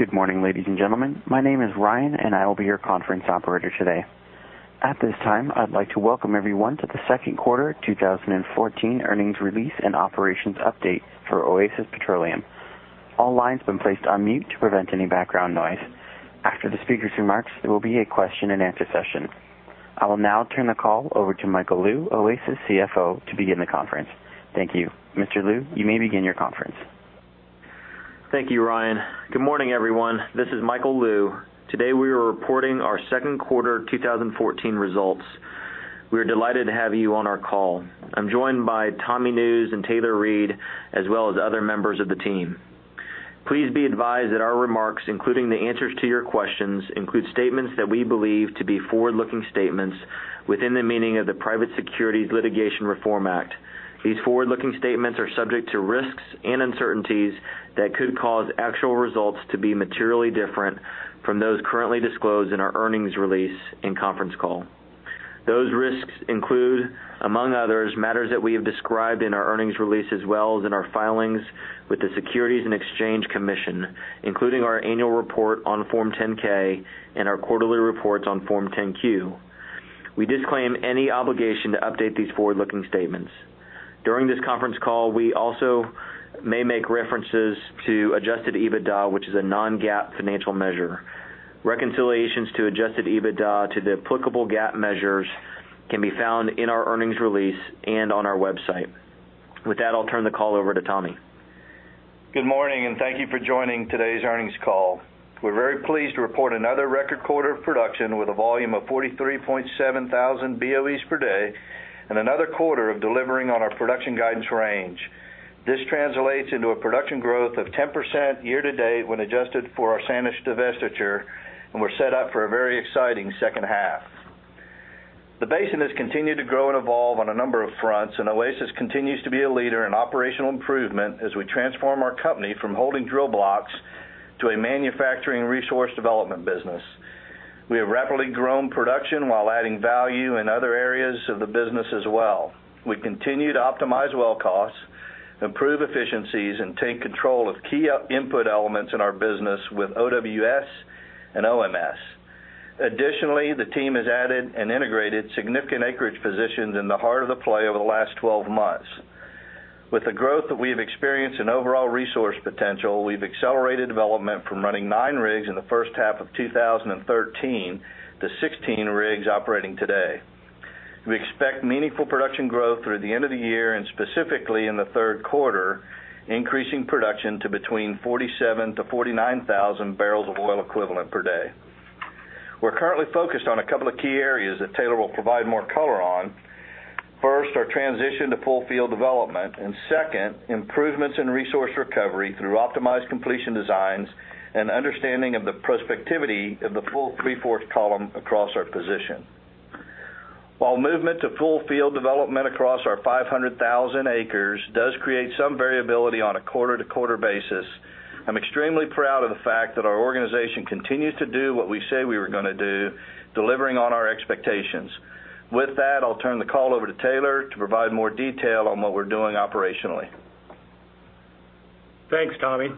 Good morning, ladies and gentlemen. My name is Ryan, and I will be your conference operator today. At this time, I'd like to welcome everyone to the second quarter 2014 earnings release and operations update for Oasis Petroleum. All lines have been placed on mute to prevent any background noise. After the speaker's remarks, there will be a question and answer session. I will now turn the call over to Michael Lou, Oasis CFO, to begin the conference. Thank you. Mr. Lou, you may begin your conference. Thank you, Ryan. Good morning, everyone. This is Michael Lou. Today we are reporting our second quarter 2014 results. We are delighted to have you on our call. I'm joined by Tommy Nusz and Taylor Reid, as well as other members of the team. Please be advised that our remarks, including the answers to your questions, include statements that we believe to be forward-looking statements within the meaning of the Private Securities Litigation Reform Act. These forward-looking statements are subject to risks and uncertainties that could cause actual results to be materially different from those currently disclosed in our earnings release and conference call. Those risks include, among others, matters that we have described in our earnings release, as well as in our filings with the Securities and Exchange Commission, including our annual report on Form 10-K and our quarterly reports on Form 10-Q. We disclaim any obligation to update these forward-looking statements. During this conference call, we also may make references to Adjusted EBITDA, which is a non-GAAP financial measure. Reconciliations to Adjusted EBITDA to the applicable GAAP measures can be found in our earnings release and on our website. With that, I'll turn the call over to Tommy. Good morning, and thank you for joining today's earnings call. We're very pleased to report another record quarter of production with a volume of 43.7 thousand BOEs per day and another quarter of delivering on our production guidance range. This translates into a production growth of 10% year-to-date when adjusted for our Sanish divestiture, and we're set up for a very exciting second half. The basin has continued to grow and evolve on a number of fronts, and Oasis continues to be a leader in operational improvement as we transform our company from holding drill blocks to a manufacturing resource development business. We have rapidly grown production while adding value in other areas of the business as well. We continue to optimize well costs, improve efficiencies, and take control of key input elements in our business with OWS and OMS. Additionally, the team has added and integrated significant acreage positions in the heart of the play over the last 12 months. With the growth that we have experienced in overall resource potential, we've accelerated development from running nine rigs in the first half of 2013 to 16 rigs operating today. We expect meaningful production growth through the end of the year and specifically in the third quarter, increasing production to between 47,000 to 49,000 barrels of oil equivalent per day. We're currently focused on a couple of key areas that Taylor will provide more color on. First, our transition to full field development, and second, improvements in resource recovery through optimized completion designs and understanding of the prospectivity of the full Three Forks Formation across our position. While movement to full field development across our 500,000 acres does create some variability on a quarter-to-quarter basis, I'm extremely proud of the fact that our organization continues to do what we say we were going to do, delivering on our expectations. With that, I'll turn the call over to Taylor to provide more detail on what we're doing operationally. Thanks, Tommy.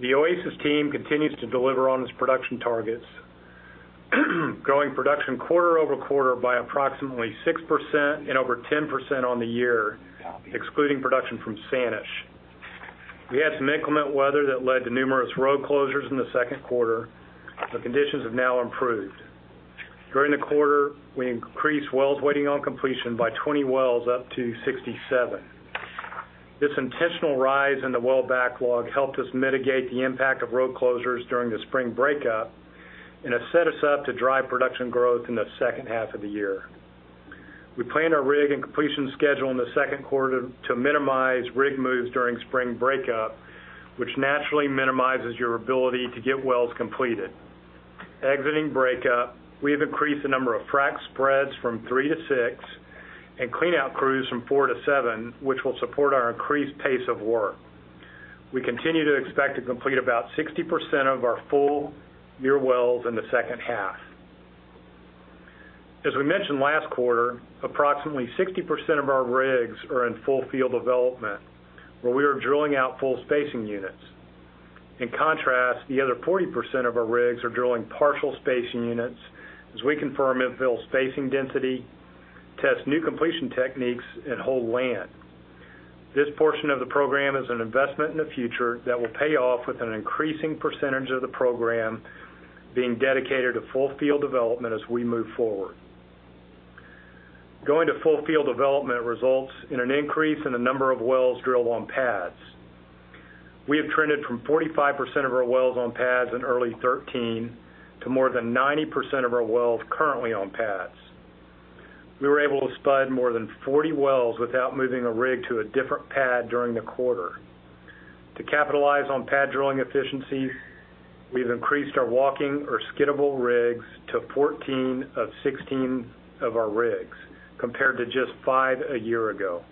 The Oasis team continues to deliver on its production targets, growing production quarter-over-quarter by approximately 6% and over 10% on the year, excluding production from Sanish. We had some inclement weather that led to numerous road closures in the second quarter, but conditions have now improved. During the quarter, we increased wells waiting on completion by 20 wells up to 67. This intentional rise in the well backlog helped us mitigate the impact of road closures during the spring breakup and have set us up to drive production growth in the second half of the year. We planned our rig and completion schedule in the second quarter to minimize rig moves during spring breakup, which naturally minimizes your ability to get wells completed. Exiting breakup, we have increased the number of frac spreads from three to six and cleanout crews from four to seven, which will support our increased pace of work. We continue to expect to complete about 60% of our full year wells in the second half. As we mentioned last quarter, approximately 60% of our rigs are in full field development, where we are drilling out full spacing units. In contrast, the other 40% of our rigs are drilling partial spacing units as we confirm infill spacing density, test new completion techniques, and hold land. This portion of the program is an investment in the future that will pay off with an increasing percentage of the program being dedicated to full field development as we move forward. Going to full field development results in an increase in the number of wells drilled on pads. We have trended from 45% of our wells on pads in early 2013 to more than 90% of our wells currently on pads. We were able to spud more than 40 wells without moving a rig to a different pad during the quarter. To capitalize on pad drilling efficiency, we've increased our walking or skiddable rigs to 14 of 16 of our rigs, compared to just five a year ago.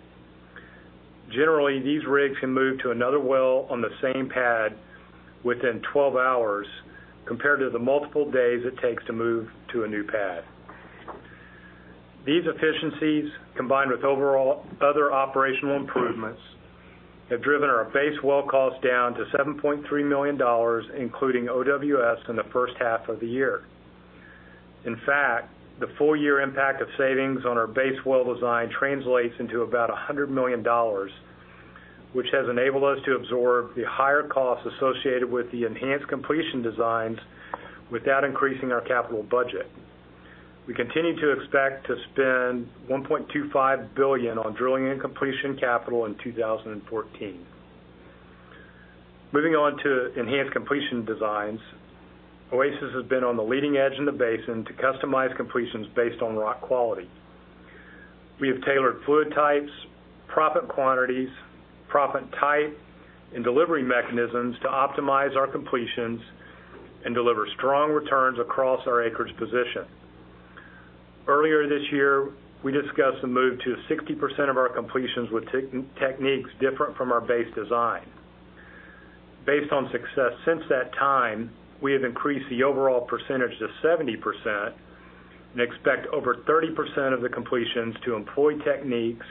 Generally, these rigs can move to another well on the same pad within 12 hours, compared to the multiple days it takes to move to a new pad. These efficiencies, combined with overall other operational improvements, have driven our base well cost down to $7.3 million, including OWS in the first half of the year. In fact, the full year impact of savings on our base well design translates into about $100 million, which has enabled us to absorb the higher costs associated with the enhanced completion designs without increasing our capital budget. We continue to expect to spend $1.25 billion on drilling and completion capital in 2014. Moving on to enhanced completion designs. Oasis has been on the leading edge in the basin to customize completions based on rock quality. We have tailored fluid types, proppant quantities, proppant type, and delivery mechanisms to optimize our completions and deliver strong returns across our acreage position. Earlier this year, we discussed a move to 60% of our completions with techniques different from our base design. Based on success since that time, we have increased the overall percentage to 70% and expect over 30% of the completions to employ techniques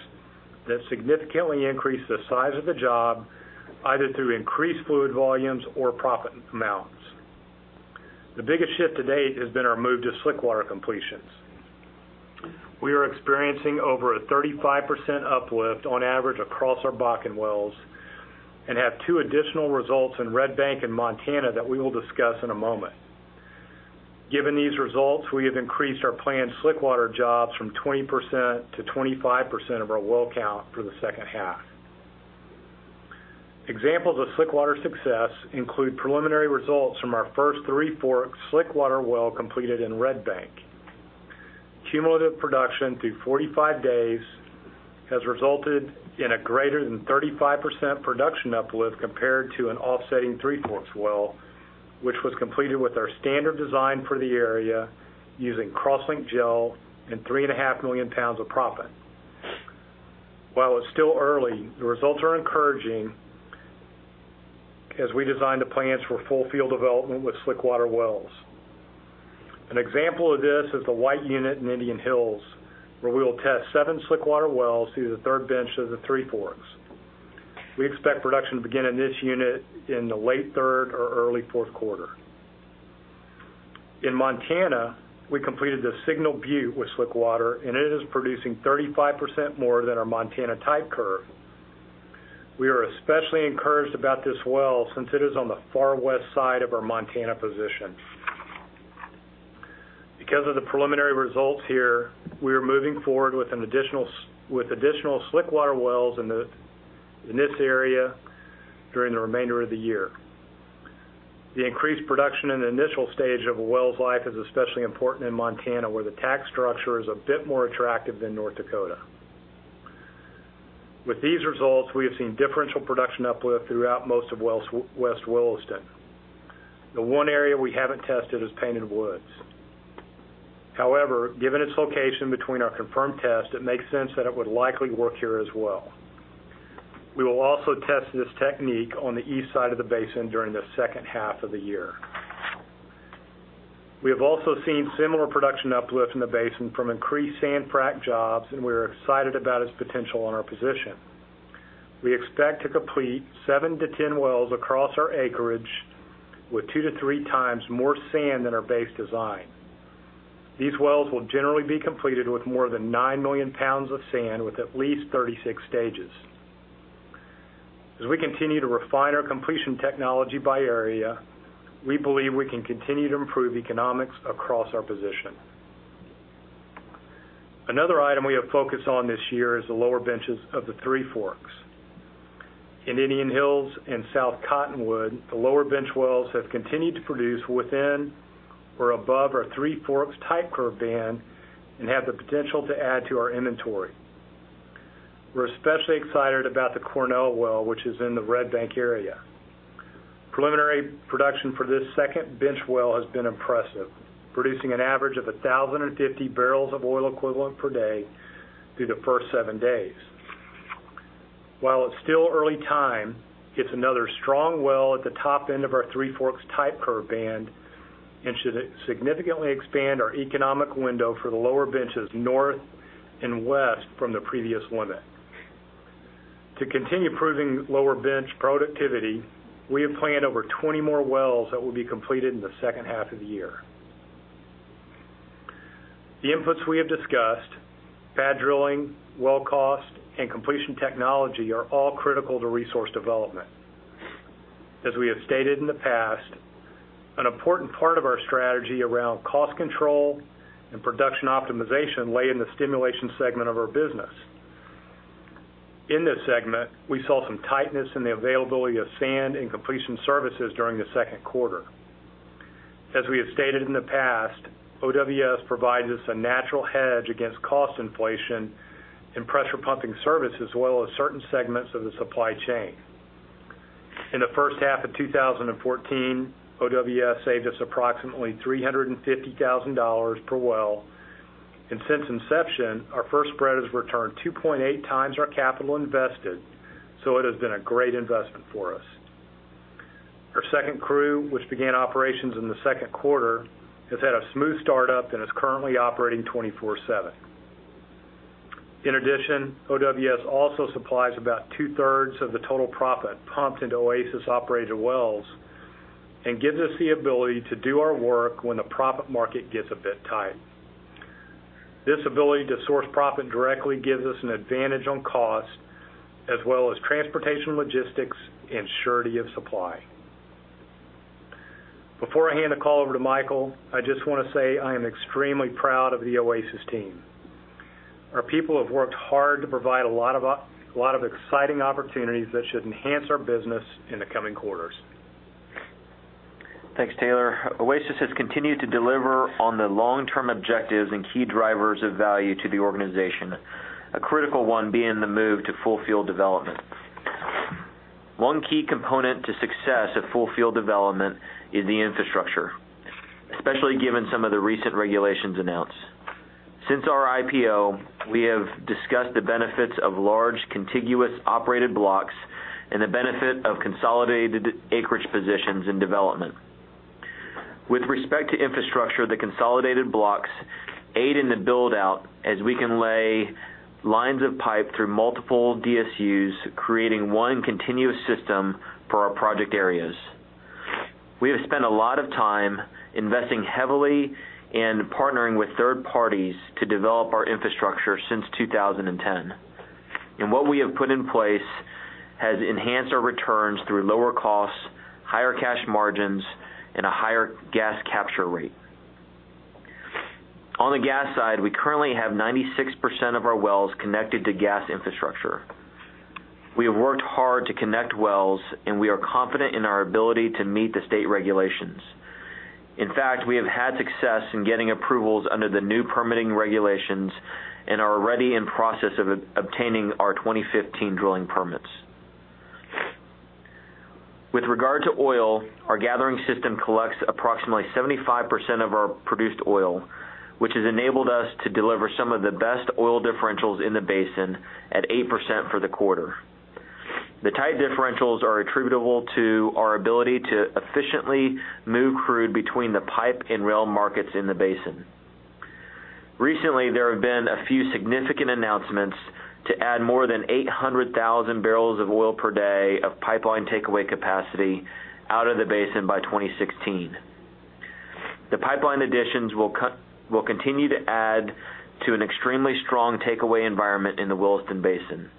that significantly increase the size of the job, either through increased fluid volumes or proppant amounts. The biggest shift to date has been our move to slickwater completions. We are experiencing over a 35% uplift on average across our Bakken wells and have two additional results in Red Bank and Montana that we will discuss in a moment. Given these results, we have increased our planned slickwater jobs from 20%-25% of our well count for the second half. Examples of slickwater success include preliminary results from our first Three Forks slickwater well completed in Red Bank. Cumulative production through 45 days has resulted in a greater than 35% production uplift compared to an offsetting Three Forks well, which was completed with our standard design for the area using crosslinked gel and 3.5 million pounds of proppant. While it's still early, the results are encouraging as we design the plans for full field development with slickwater wells. An example of this is the White Unit in Indian Hills, where we will test seven slickwater wells through the third bench of the Three Forks. We expect production to begin in this unit in the late third or early fourth quarter. In Montana, we completed the Signal Butte with slickwater, and it is producing 35% more than our Montana type curve. We are especially encouraged about this well since it is on the far west side of our Montana position. Because of the preliminary results here, we are moving forward with additional slickwater wells in this area during the remainder of the year. The increased production in the initial stage of a well's life is especially important in Montana, where the tax structure is a bit more attractive than North Dakota. With these results, we have seen differential production uplift throughout most of West Williston. The one area we haven't tested is Painted Woods. However, given its location between our confirmed test, it makes sense that it would likely work here as well. We will also test this technique on the east side of the basin during the second half of the year. We have also seen similar production uplift in the basin from increased sand frac jobs, and we are excited about its potential on our position. We expect to complete 7 to 10 wells across our acreage with two to three times more sand than our base design. These wells will generally be completed with more than nine million pounds of sand with at least 36 stages. As we continue to refine our completion technology by area, we believe we can continue to improve economics across our position. Another item we have focused on this year is the lower benches of the Three Forks. In Indian Hills and South Cottonwood, the lower bench wells have continued to produce within or above our Three Forks type curve band and have the potential to add to our inventory. We're especially excited about the Cornell well, which is in the Red Bank area. Preliminary production for this second bench well has been impressive, producing an average of 1,050 BOE per day through the first seven days. While it's still early time, it's another strong well at the top end of our Three Forks type curve band and should significantly expand our economic window for the lower benches north and west from the previous limit. To continue proving lower bench productivity, we have planned over 20 more wells that will be completed in the second half of the year. The inputs we have discussed, pad drilling, well cost, and completion technology are all critical to resource development. As we have stated in the past, an important part of our strategy around cost control and production optimization lay in the stimulation segment of our business. In this segment, we saw some tightness in the availability of sand and completion services during the second quarter. As we have stated in the past, OWS provides us a natural hedge against cost inflation and pressure pumping services, as well as certain segments of the supply chain. In the first half of 2014, OWS saved us approximately $350,000 per well, and since inception, our first spread has returned 2.8 times our capital invested. It has been a great investment for us. Our second crew, which began operations in the second quarter, has had a smooth startup and is currently operating 24/7. In addition, OWS also supplies about two-thirds of the total proppant pumped into Oasis-operated wells and gives us the ability to do our work when the proppant market gets a bit tight. This ability to source proppant directly gives us an advantage on cost, as well as transportation logistics and surety of supply. Before I hand the call over to Michael, I just want to say I am extremely proud of the Oasis team. Our people have worked hard to provide a lot of exciting opportunities that should enhance our business in the coming quarters. Thanks, Taylor. Oasis has continued to deliver on the long-term objectives and key drivers of value to the organization, a critical one being the move to full field development. One key component to success at full field development is the infrastructure, especially given some of the recent regulations announced. Since our IPO, we have discussed the benefits of large contiguous operated blocks and the benefit of consolidated acreage positions in development. With respect to infrastructure, the consolidated blocks aid in the build-out as we can lay lines of pipe through multiple DSUs, creating one continuous system for our project areas. We have spent a lot of time investing heavily in partnering with third parties to develop our infrastructure since 2010. What we have put in place has enhanced our returns through lower costs, higher cash margins, and a higher gas capture rate. On the gas side, we currently have 96% of our wells connected to gas infrastructure. We have worked hard to connect wells, and we are confident in our ability to meet the state regulations. In fact, we have had success in getting approvals under the new permitting regulations and are already in process of obtaining our 2015 drilling permits. With regard to oil, our gathering system collects approximately 75% of our produced oil, which has enabled us to deliver some of the best oil differentials in the basin at 8% for the quarter. The tight differentials are attributable to our ability to efficiently move crude between the pipe and rail markets in the basin. Recently, there have been a few significant announcements to add more than 800,000 barrels of oil per day of pipeline takeaway capacity out of the basin by 2016. The pipeline additions will continue to add to an extremely strong takeaway environment in the Williston Basin.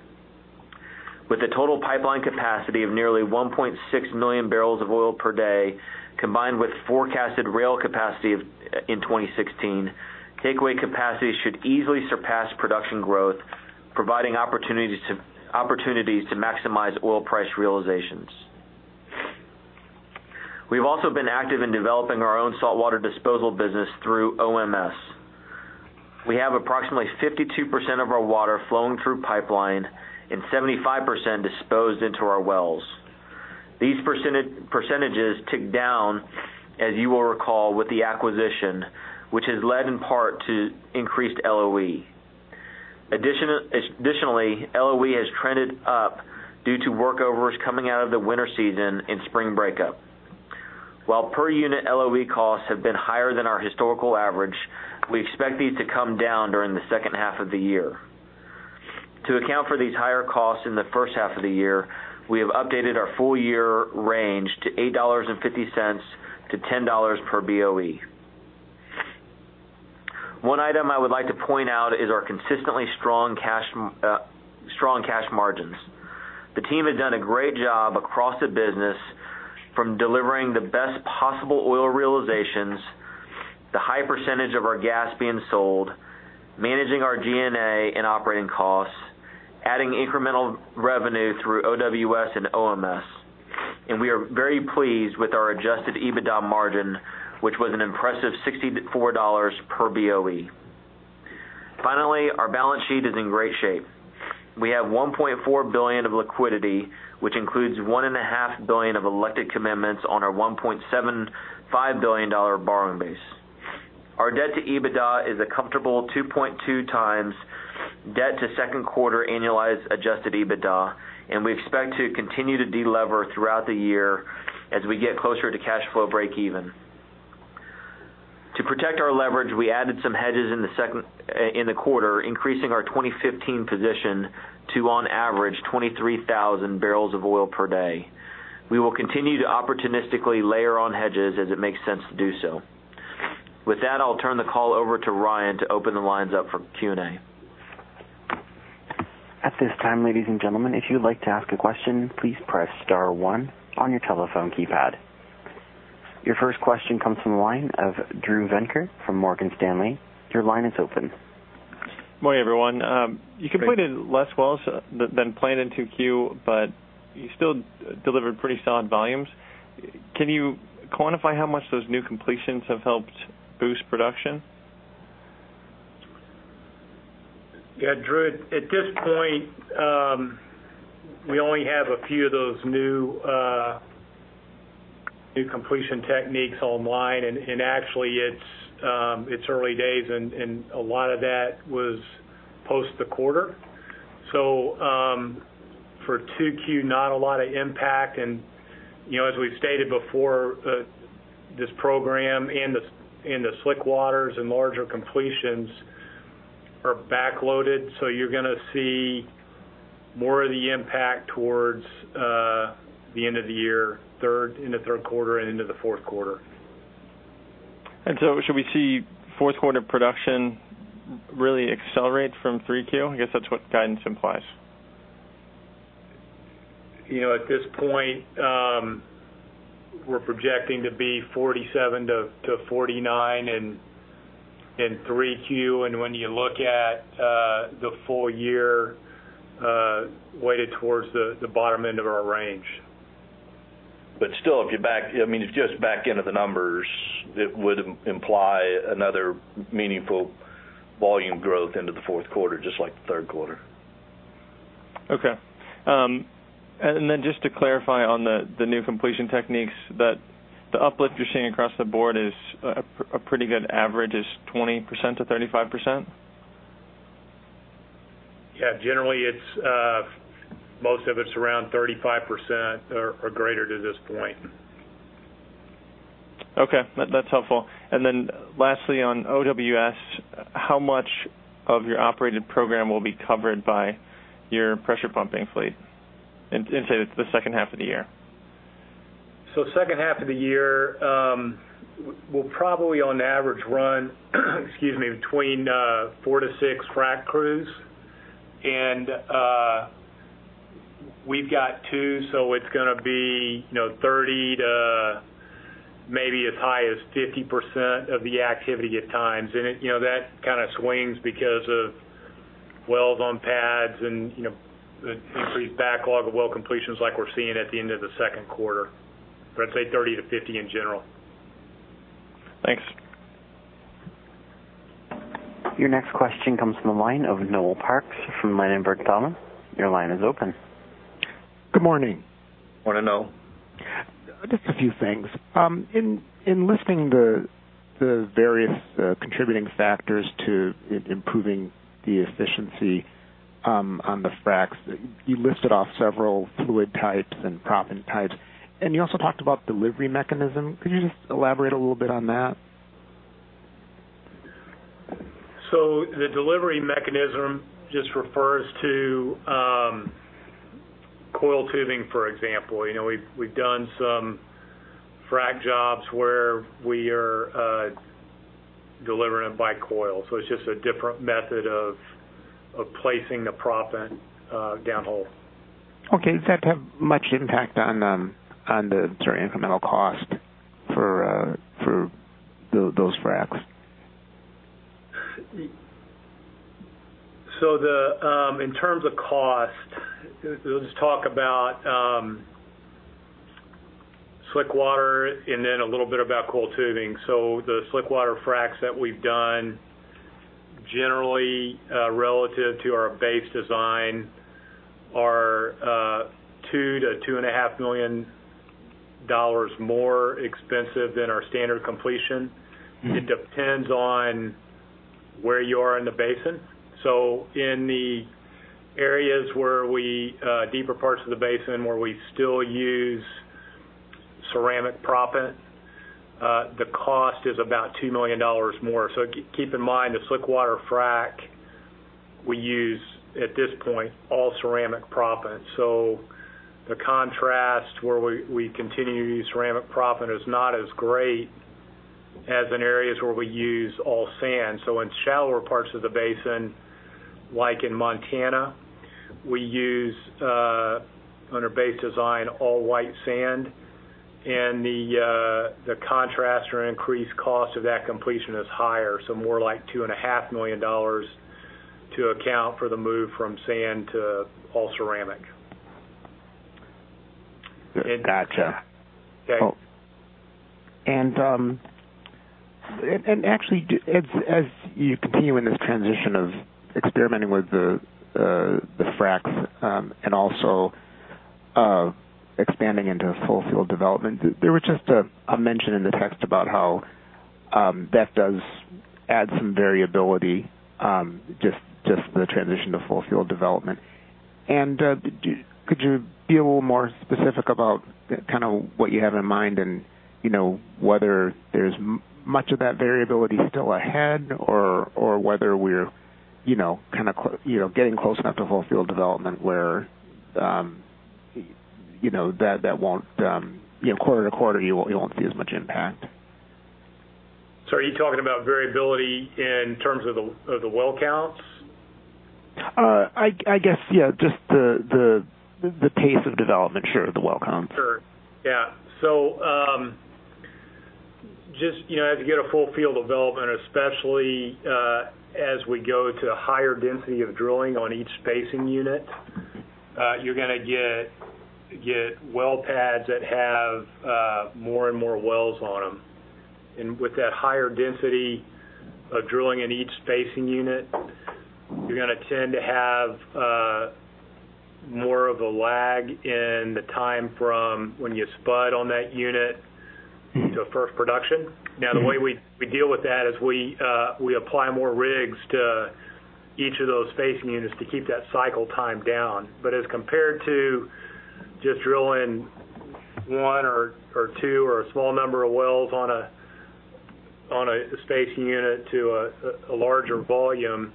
With a total pipeline capacity of nearly 1.6 million barrels of oil per day, combined with forecasted rail capacity in 2016, takeaway capacity should easily surpass production growth, providing opportunities to maximize oil price realizations. We've also been active in developing our own saltwater disposal business through OMS. We have approximately 52% of our water flowing through pipeline and 75% disposed into our wells. These percentages ticked down, as you will recall, with the acquisition, which has led in part to increased LOE. Additionally, LOE has trended up due to workovers coming out of the winter season and spring breakup. While per-unit LOE costs have been higher than our historical average, we expect these to come down during the second half of the year. To account for these higher costs in the first half of the year, we have updated our full-year range to $8.50-$10 per BOE. One item I would like to point out is our consistently strong cash margins. The team has done a great job across the business from delivering the best possible oil realizations, the high percentage of our gas being sold, managing our G&A and operating costs, adding incremental revenue through OWS and OMS. We are very pleased with our Adjusted EBITDA margin, which was an impressive $64 per BOE. Finally, our balance sheet is in great shape. We have $1.4 billion of liquidity, which includes $1.5 billion of elected commitments on our $1.75 billion borrowing base. Our debt to EBITDA is a comfortable 2.2 times debt to second quarter annualized Adjusted EBITDA. We expect to continue to de-lever throughout the year as we get closer to cash flow breakeven. To protect our leverage, we added some hedges in the quarter, increasing our 2015 position to on average 23,000 barrels of oil per day. We will continue to opportunistically layer on hedges as it makes sense to do so. With that, I'll turn the call over to Ryan to open the lines up for Q&A. At this time, ladies and gentlemen, if you'd like to ask a question, please press star one on your telephone keypad. Your first question comes from the line of Drew Venker from Morgan Stanley. Your line is open. Morning, everyone. You completed less wells than planned in 2Q, you still delivered pretty solid volumes. Can you quantify how much those new completions have helped boost production? Yeah, Drew, at this point, we only have a few of those new completion techniques online, actually, it's early days and a lot of that was post the quarter. For 2Q, not a lot of impact. As we've stated before, this program and the slickwater and larger completions are backloaded, you're going to see more of the impact towards the end of the year, into third quarter and into the fourth quarter. Should we see fourth quarter production really accelerate from 3Q? I guess that's what guidance implies. At this point, we're projecting to be 47 to 49 in 3Q, and when you look at the full year, weighted towards the bottom end of our range. Still, if you just back into the numbers, it would imply another meaningful volume growth into the fourth quarter, just like the third quarter. Okay. Then just to clarify on the new completion techniques, the uplift you're seeing across the board is a pretty good average, is 20%-35%? Yeah, generally most of it's around 35% or greater to this point. Okay, that's helpful. Then lastly, on OWS, how much of your operated program will be covered by your pressure pumping fleet in, say, the second half of the year? Second half of the year, we'll probably on average run, excuse me, between four to six frac crews. We've got two, so it's going to be 30%-50% of the activity at times. That kind of swings because of wells on pads and increased backlog of well completions like we're seeing at the end of the second quarter. I'd say 30%-50% in general. Thanks. Your next question comes from the line of Noel Parks from Ladenburg Thalmann. Your line is open. Good morning. Morning, Noel. Just a few things. In listing the various contributing factors to improving the efficiency on the fracs, you listed off several fluid types and proppant types, and you also talked about delivery mechanism. Could you just elaborate a little bit on that? The delivery mechanism just refers to coiled tubing, for example. We've done some frac jobs where we are delivering it by coil. It's just a different method of placing the proppant downhole. Okay. Does that have much impact on the incremental cost for those fracs? In terms of cost, let's talk about slickwater and then a little bit about coiled tubing. The slickwater fracs that we've done, generally, relative to our base design, are $2 million to $2.5 million more expensive than our standard completion. It depends on where you are in the basin. In the areas, deeper parts of the basin, where we still use ceramic proppant, the cost is about $2 million more. Keep in mind, the slickwater frac we use, at this point, all ceramic proppant. The contrast where we continue to use ceramic proppant is not as great as in areas where we use all sand. In shallower parts of the basin, like in Montana, we use, on our base design, all white sand, and the contrast or increased cost of that completion is higher, more like $2.5 million to account for the move from sand to all ceramic. Gotcha. Okay. Actually, as you continue in this transition of experimenting with the fracs, also expanding into full field development, there was just a mention in the text about how that does add some variability, just the transition to full field development. Could you be a little more specific about what you have in mind, whether there's much of that variability still ahead, or whether we're getting close enough to full field development where that won't, quarter-to-quarter, you won't see as much impact? Are you talking about variability in terms of the well counts? I guess, yeah, just the pace of development. Sure, the well counts. Sure. Yeah. As we get a full field development, especially as we go to higher density of drilling on each spacing unit, you're going to get well pads that have more and more wells on them. With that higher density of drilling in each spacing unit, you're going to tend to have more of a lag in the time from when you spud on that unit to first production. Now, the way we deal with that is we apply more rigs to each of those spacing units to keep that cycle time down. As compared to just drilling one or two or a small number of wells on a spacing unit to a larger volume,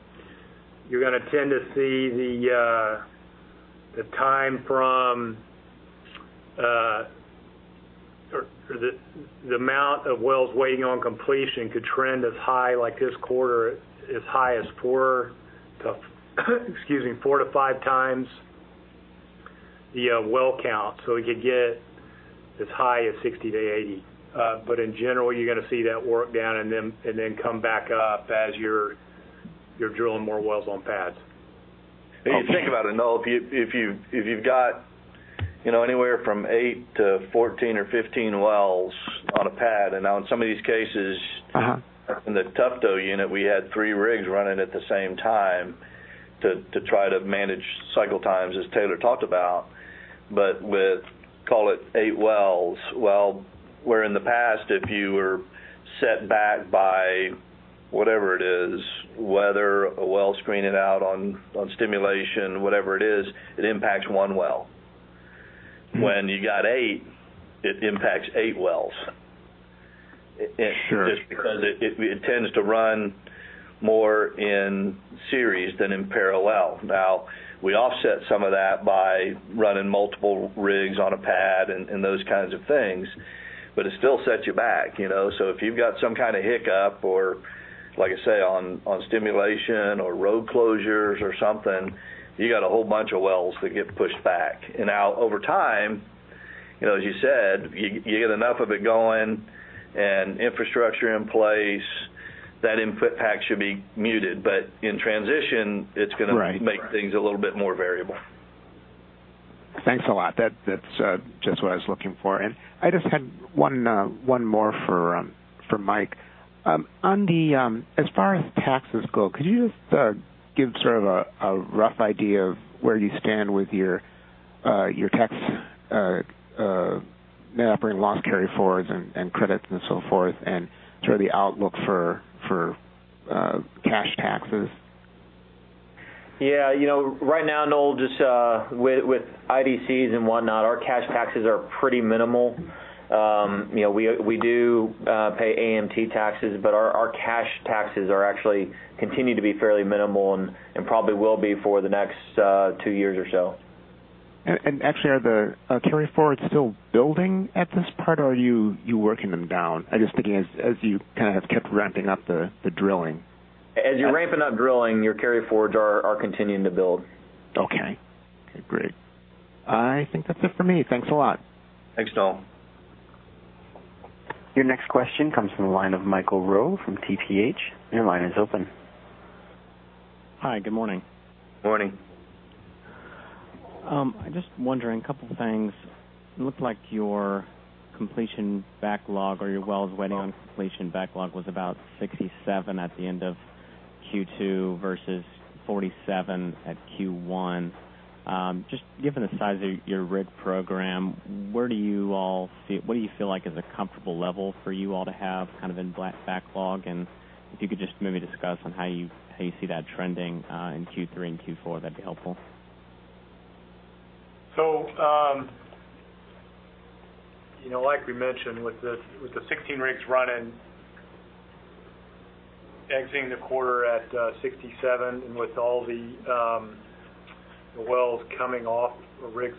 you're going to tend to see the amount of wells waiting on completion could trend as high, like this quarter, as high as four to five times the well count. We could get as high as 60-80. In general, you're going to see that work down and then come back up as you're drilling more wells on pads. If you think about it, Noel, if you've got anywhere from eight to 14 or 15 wells on a pad, and now in some of these cases. In the Tufto unit, we had three rigs running at the same time to try to manage cycle times, as Taylor talked about. With, call it eight wells, where in the past, if you were set back by whatever it is, weather, a well screening out on stimulation, whatever it is, it impacts one well. When you got eight, it impacts eight wells. Sure. Just because it tends to run more in series than in parallel. Now, we offset some of that by running multiple rigs on a pad and those kinds of things, but it still sets you back. If you've got some kind of hiccup or, like I say, on stimulation or road closures or something, you got a whole bunch of wells that get pushed back. Now over time, as you said, you get enough of it going and infrastructure in place, that impact should be muted. In transition, it's going to- Right make things a little bit more variable. Thanks a lot. That's just what I was looking for. I just had one more for Mike. As far as taxes go, could you just give sort of a rough idea of where you stand with your tax net operating loss carryforwards and credits and so forth, and sort of the outlook for cash taxes? Yeah. Right now, Noel, just with IDCs and whatnot, our cash taxes are pretty minimal. We do pay AMT taxes, our cash taxes are actually continuing to be fairly minimal and probably will be for the next two years or so. Actually, are the carryforwards still building at this part, or are you working them down? I'm just thinking as you have kept ramping up the drilling. As you're ramping up drilling, your carryforwards are continuing to build. Okay. Great. I think that's it for me. Thanks a lot. Thanks, Noel. Your next question comes from the line of Michael Rowe from TPH. Your line is open. Hi, good morning. Morning. I'm just wondering a couple of things. It looked like your completion backlog or your wells waiting on completion backlog was about 67 at the end of Q2 versus 47 at Q1. If you could just maybe discuss on how you see that trending in Q3 and Q4, that'd be helpful. Like we mentioned, with the 16 rigs running, exiting the quarter at 67, and with all the rigs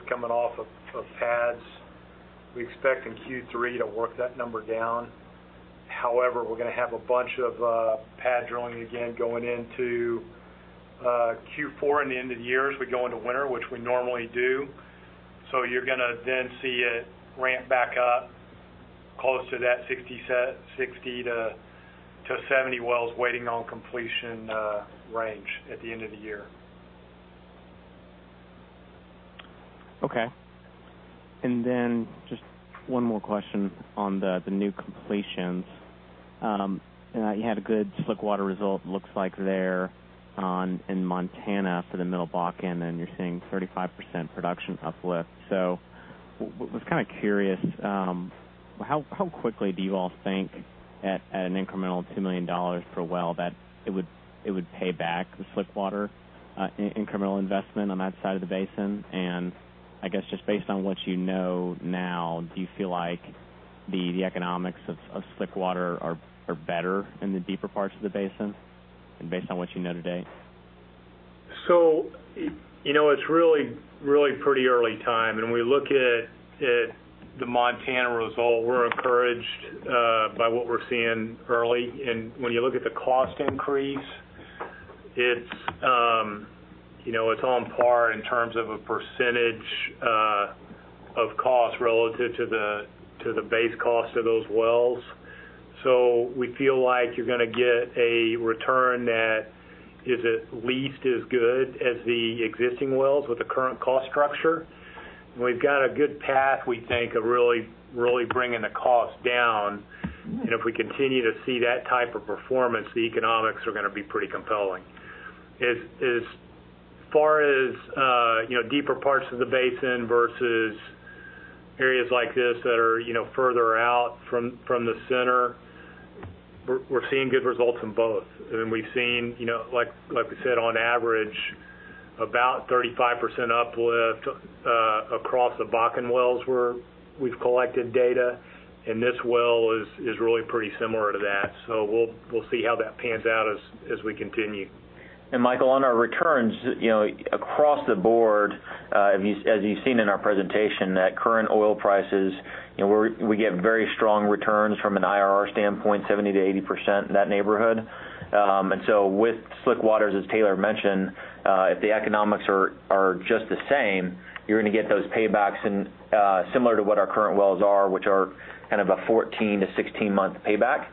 coming off of pads, we expect in Q3 to work that number down. However, we're going to have a bunch of pad drilling again going into Q4 and the end of the year as we go into winter, which we normally do. You're going to then see it ramp back up close to that 60 to 70 wells waiting on completion range at the end of the year. Okay. Just one more question on the new completions. You had a good slickwater result, looks like there, in Montana for the Middle Bakken, and you're seeing 35% production uplift. I was curious, how quickly do you all think at an incremental of $2 million per well that it would pay back the slickwater incremental investment on that side of the basin? I guess just based on what you know now, do you feel like the economics of slickwater are better in the deeper parts of the basin? Based on what you know to date. It's really pretty early time. We look at the Montana result, we're encouraged by what we're seeing early. When you look at the cost increase, it's on par in terms of a percentage of cost relative to the base cost of those wells. We feel like you're going to get a return that is at least as good as the existing wells with the current cost structure. We've got a good path, we think, of really bringing the cost down. If we continue to see that type of performance, the economics are going to be pretty compelling. As far as deeper parts of the basin versus areas like this that are further out from the center, we're seeing good results in both. We've seen, like we said, on average, about 35% uplift across the Bakken wells where we've collected data, and this well is really pretty similar to that. We'll see how that pans out as we continue. Michael, on our returns, across the board, as you've seen in our presentation, that current oil prices, we get very strong returns from an IRR standpoint, 70%-80%, that neighborhood. With slickwaters, as Taylor mentioned, if the economics are just the same, you're going to get those paybacks similar to what our current wells are, which are a 14- to 16-month payback.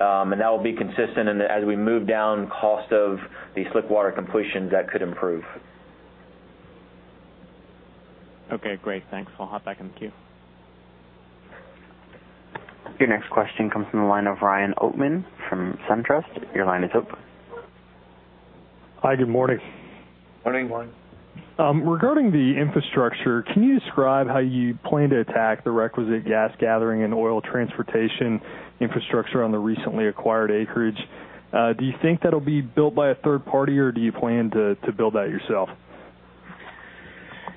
That will be consistent, and as we move down cost of the slickwater completions, that could improve. Okay, great. Thanks. I'll hop back in the queue. Your next question comes from the line of Ryan Oatman from SunTrust. Your line is open. Hi, good morning. Morning, Ryan. Regarding the infrastructure, can you describe how you plan to attack the requisite gas gathering and oil transportation infrastructure on the recently acquired acreage? Do you think that'll be built by a third party, or do you plan to build that yourself?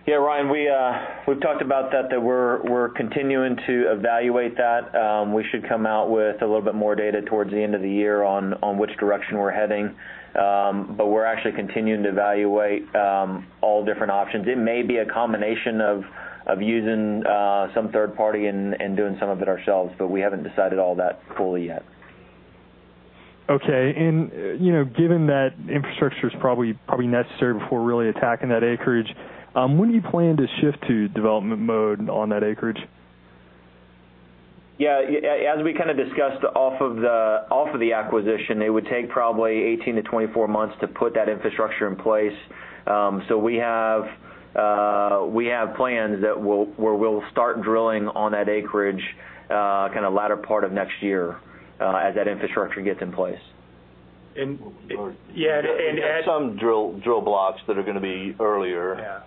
Yeah, Ryan, we've talked about that we're continuing to evaluate that. We should come out with a little bit more data towards the end of the year on which direction we're heading. We're actually continuing to evaluate all different options. It may be a combination of using some third party and doing some of it ourselves, but we haven't decided all that fully yet. Okay. Given that infrastructure's probably necessary before really attacking that acreage, when do you plan to shift to development mode on that acreage? Yeah. As we discussed off of the acquisition, it would take probably 18-24 months to put that infrastructure in place. We have plans where we'll start drilling on that acreage latter part of next year as that infrastructure gets in place. Some drill blocks that are going to be earlier. Yeah.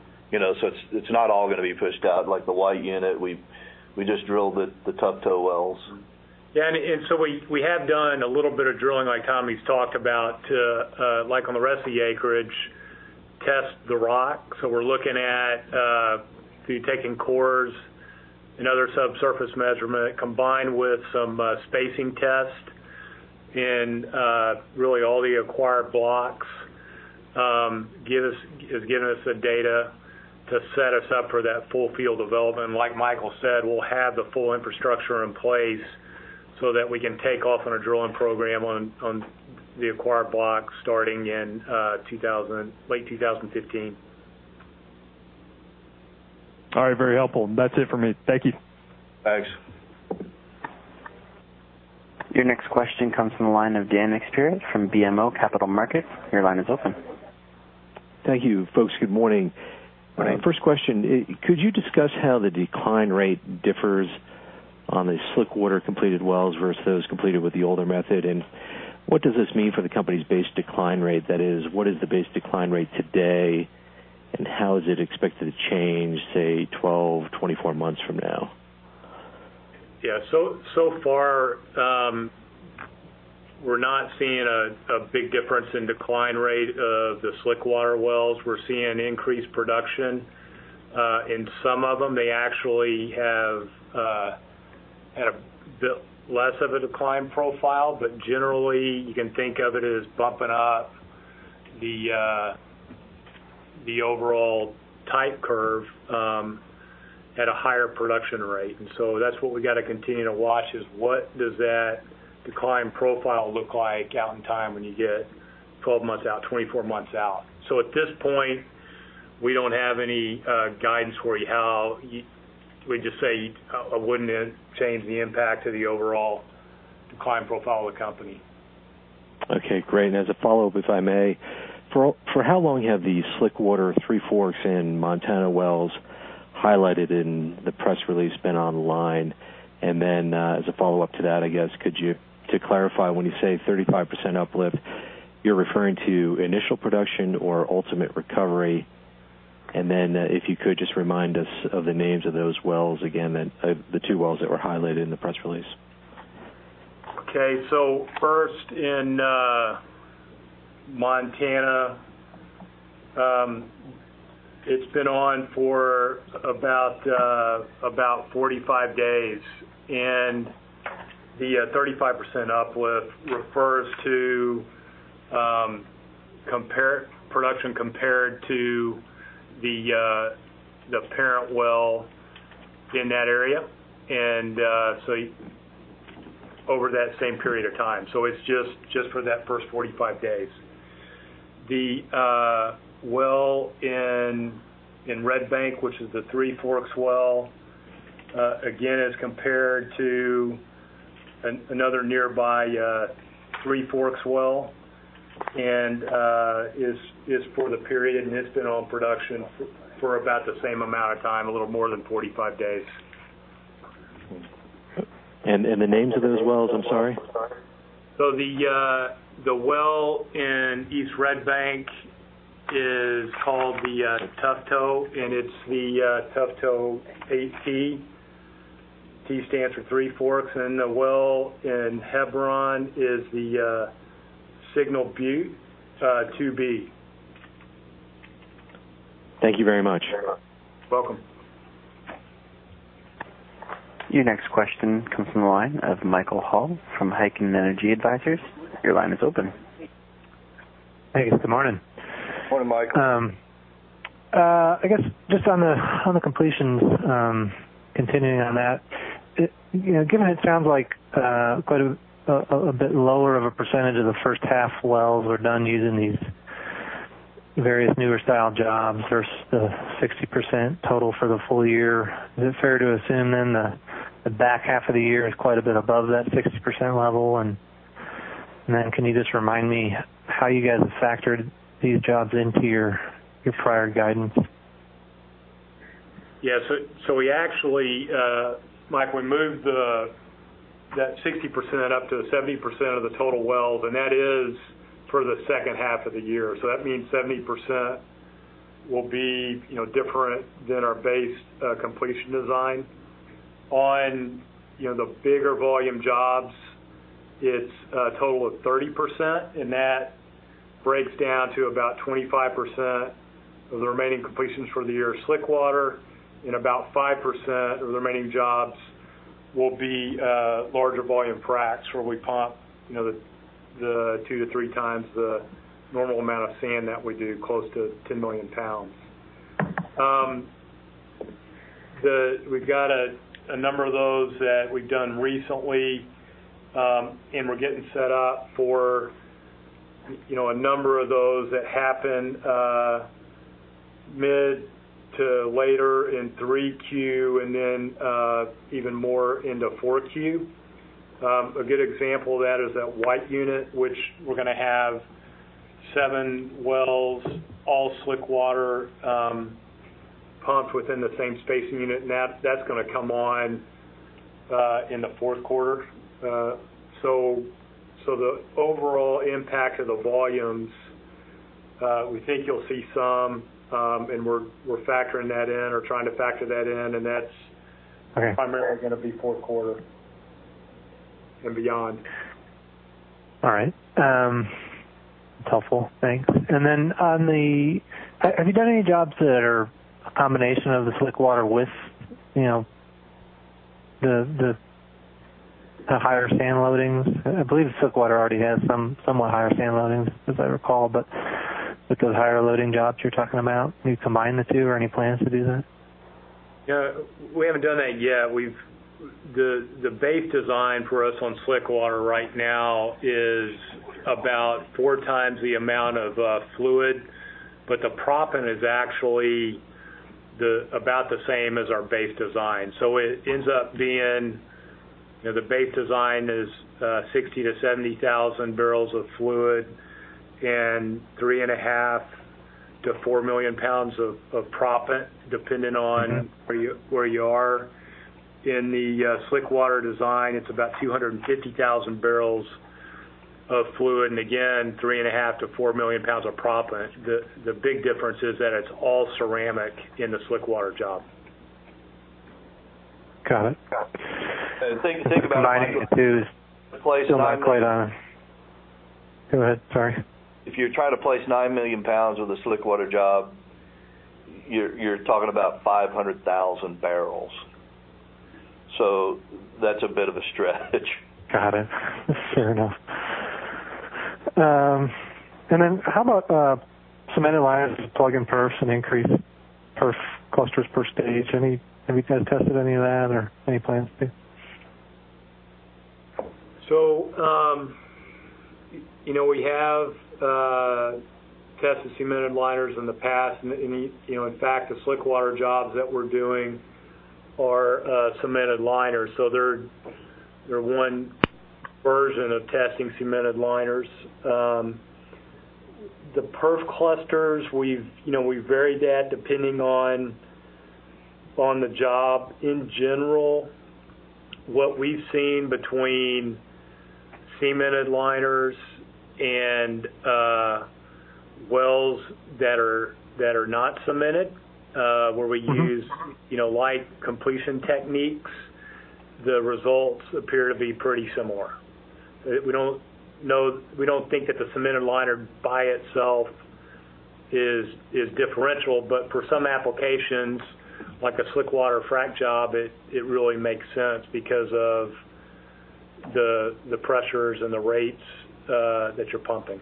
It's not all going to be pushed out. Like the White Unit, we just drilled the Tufto wells. Yeah. We have done a little bit of drilling, like Tommy's talked about, on the rest of the acreage, test the rock. We're looking at taking cores and other subsurface measurement combined with some spacing test, and really all the acquired blocks is giving us the data to set us up for that full field development. Like Michael said, we'll have the full infrastructure in place so that we can take off on a drilling program on the acquired block starting in late 2015. All right, very helpful. That's it for me. Thank you. Thanks. Your next question comes from the line of Dan McSpirit from BMO Capital Markets. Your line is open. Thank you, folks. Good morning. Morning. First question, could you discuss how the decline rate differs on the slickwater completed wells versus those completed with the older method? What does this mean for the company's base decline rate? That is, what is the base decline rate today, and how is it expected to change, say, 12, 24 months from now? Yeah. So far, we're not seeing a big difference in decline rate of the slickwater wells. We're seeing increased production. In some of them, they actually have had a bit less of a decline profile, but generally, you can think of it as bumping up the overall type curve at a higher production rate. That's what we got to continue to watch, is what does that decline profile look like out in time when you get 12 months out, 24 months out. At this point, we don't have any guidance for you how. We just say it wouldn't change the impact of the overall decline profile of the company. Okay, great. As a follow-up, if I may, for how long have the slickwater Three Forks in Montana wells highlighted in the press release been online? As a follow-up to that, I guess to clarify, when you say 35% uplift, you're referring to initial production or ultimate recovery? If you could, just remind us of the names of those wells again, the two wells that were highlighted in the press release. Okay. First in Montana, it's been on for about 45 days. The 35% uplift refers to production compared to the parent well in that area over that same period of time. It's just for that first 45 days. The well in Red Bank, which is the Three Forks well, again, as compared to another nearby Three Forks well, and is for the period, and it's been on production for about the same amount of time, a little more than 45 days. The names of those wells, I'm sorry? The well in East Red Bank is called the Tufto, and it's the Tufto 8T. T stands for Three Forks. The well in Hebron is the Signal Butte 2B. Thank you very much. Welcome. Your next question comes from the line of Michael Hall from Heikkinen Energy Advisors. Your line is open. Hey, guys. Good morning. Morning, Michael. I guess, just on the completions, continuing on that, given it sounds like quite a bit lower of a percentage of the first half wells were done using these various newer style jobs versus the 60% total for the full year, is it fair to assume the back half of the year is quite a bit above that 60% level? Can you just remind me how you guys have factored these jobs into your prior guidance? Yes. Actually, Mike, we moved that 60% up to 70% of the total wells, that is for the second half of the year. That means 70% will be different than our base completion design. On the bigger volume jobs, it's a total of 30%, that breaks down to about 25% of the remaining completions for the year slickwater, and about 5% of the remaining jobs will be larger volume fracs where we pump the two to three times the normal amount of sand that we do, close to 10 million pounds. We've got a number of those that we've done recently, we're getting set up for a number of those that happen mid to later in three Q and even more into four Q. A good example of that is that White unit, which we're going to have seven wells, all slickwater pumped within the same spacing unit, that's going to come on in the fourth quarter. The overall impact of the volumes, we think you'll see some, we're factoring that in or trying to factor that in, Okay primarily going to be fourth quarter and beyond. All right. That's helpful. Thanks. Have you done any jobs that are a combination of the slickwater with the higher sand loadings? I believe slickwater already has somewhat higher sand loadings, as I recall. With those higher loading jobs you're talking about, do you combine the two, or any plans to do that? We haven't done that yet. The base design for us on slickwater right now is about four times the amount of fluid. The proppant is actually about the same as our base design. It ends up being the base design is 60,000 to 70,000 barrels of fluid and three and a half to 4 million pounds of proppant, depending on where you are. In the slickwater design, it's about 250,000 barrels of fluid, and again, three and a half to 4 million pounds of proppant. The big difference is that it's all ceramic in the slickwater job. Got it. The thing to think about- Combining the two is still not quite on it. Go ahead. Sorry. If you're trying to place 9 million pounds with a slickwater job, you're talking about 500,000 barrels. That's a bit of a stretch. Got it. Fair enough. How about cemented liners, plug and perf, and increased perf clusters per stage? Have you tested any of that or any plans to? We have tested cemented liners in the past. In fact, the slickwater jobs that we're doing are cemented liners. They're one version of testing cemented liners. The perf clusters, we've varied that depending on the job. In general, what we've seen between cemented liners and wells that are not cemented, where we use light completion techniques, the results appear to be pretty similar. We don't think that the cemented liner by itself is differential, but for some applications, like a slickwater frac job, it really makes sense because of the pressures and the rates that you're pumping.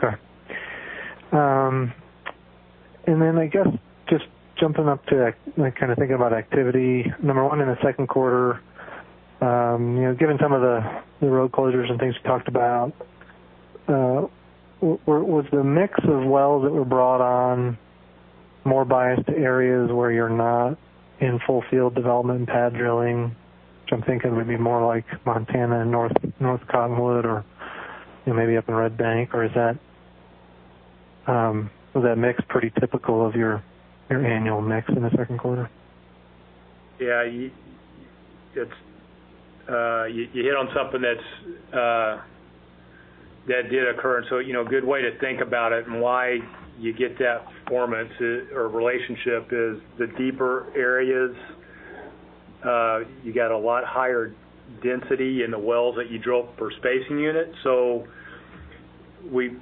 Okay. I guess, just jumping up to thinking about activity, number one, in the second quarter, given some of the road closures and things you talked about. Was the mix of wells that were brought on more biased to areas where you're not in full field development and pad drilling? Which I'm thinking would be more like Montana, North Cottonwood or maybe up in Red Bank, or is that mix pretty typical of your annual mix in the second quarter? Yeah. You hit on something that did occur. A good way to think about it and why you get that performance or relationship is the deeper areas, you get a lot higher density in the wells that you drill per spacing unit. We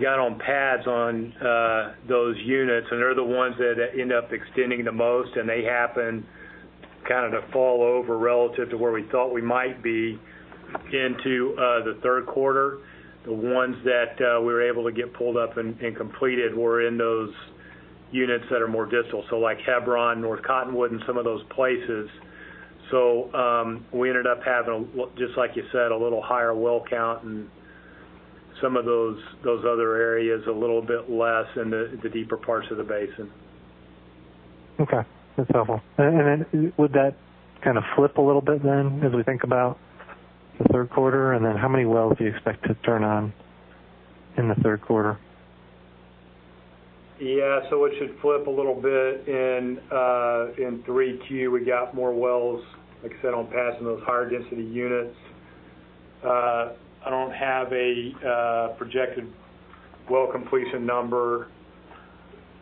got on pads on those units, and they're the ones that end up extending the most, and they happen to fall over relative to where we thought we might be into the third quarter. The ones that we were able to get pulled up and completed were in those units that are more distal, like Hebron, North Cottonwood, and some of those places. We ended up having, just like you said, a little higher well count and some of those other areas a little bit less in the deeper parts of the basin. Okay. That's helpful. Would that flip a little bit then, as we think about the third quarter? How many wells do you expect to turn on in the third quarter? Yeah. It should flip a little bit in 3Q. We got more wells, like I said, on pads in those higher density units. I don't have a projected well completion number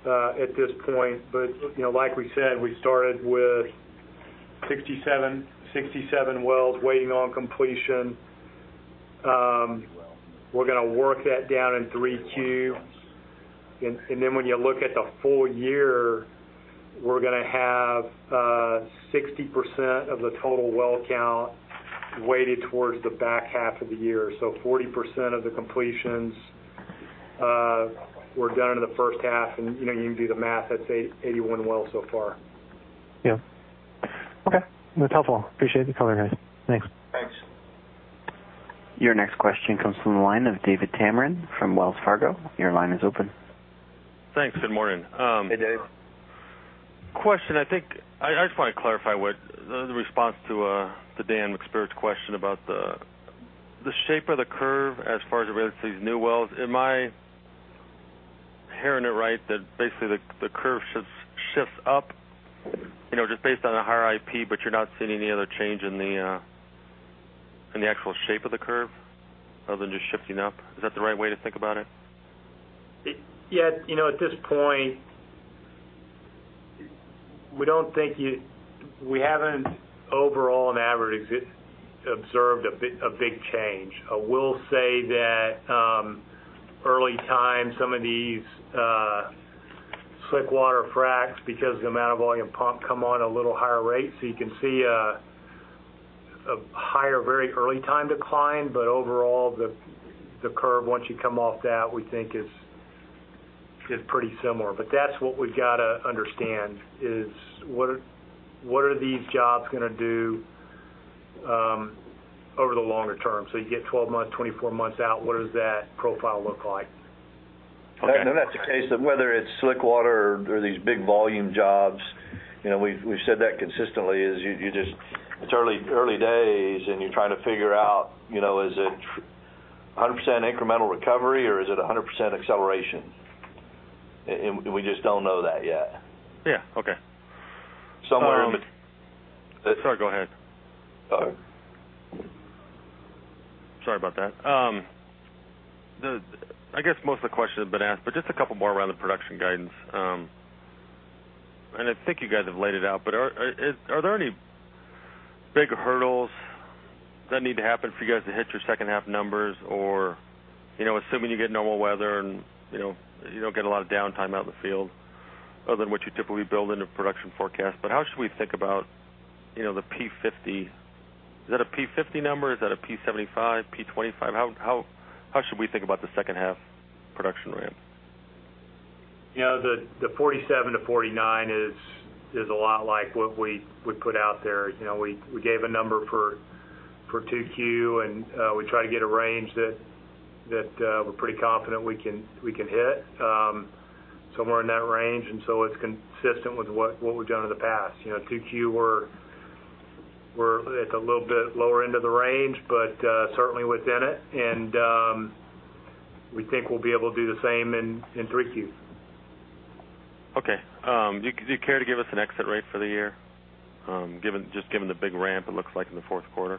at this point. Like we said, we started with 67 wells waiting on completion. We're going to work that down in 3Q. When you look at the full year, we're going to have 60% of the total well count weighted towards the back half of the year. 40% of the completions were done in the first half. You can do the math, that's 81 wells so far. Yeah. Okay. That's helpful. Appreciate the color, guys. Thanks. Thanks. Your next question comes from the line of David Tameron from Wells Fargo. Your line is open. Thanks. Good morning. Hey, Dave. Question. I just want to clarify the response to Dan McSpirit's question about the shape of the curve as far as it relates to these new wells. Am I hearing it right that basically the curve should shift up, just based on the higher IP, but you're not seeing any other change in the actual shape of the curve other than just shifting up? Is that the right way to think about it? Yeah. At this point, we haven't overall on average observed a big change. I will say that early times, some of these slickwater fracs, because the amount of volume pumped come on a little higher rate, so you can see a higher very early time decline. Overall, the curve, once you come off that, we think is pretty similar. That's what we've got to understand, is what are these jobs going to do over the longer term? You get 12 months, 24 months out, what does that profile look like? Okay. That's the case of whether it's slickwater or these big volume jobs. We've said that consistently, is it's early days and you're trying to figure out, is it 100% incremental recovery or is it 100% acceleration? We just don't know that yet. Yeah. Okay. Somewhere in between. Sorry, go ahead. Oh. Sorry about that. I guess most of the question has been asked, but just a couple more around the production guidance. I think you guys have laid it out, but are there any big hurdles that need to happen for you guys to hit your second half numbers? Assuming you get normal weather and you don't get a lot of downtime out in the field, other than what you typically build into production forecast. How should we think about the P50? Is that a P50 number? Is that a P75, P25? How should we think about the second half production ramp? The 47-49 is a lot like what we put out there. We gave a number for 2Q. We try to get a range that we're pretty confident we can hit. Somewhere in that range. It's consistent with what we've done in the past. 2Q, we're at the little bit lower end of the range, but certainly within it. We think we'll be able to do the same in 3Q. Okay. Do you care to give us an exit rate for the year? Just given the big ramp it looks like in the fourth quarter.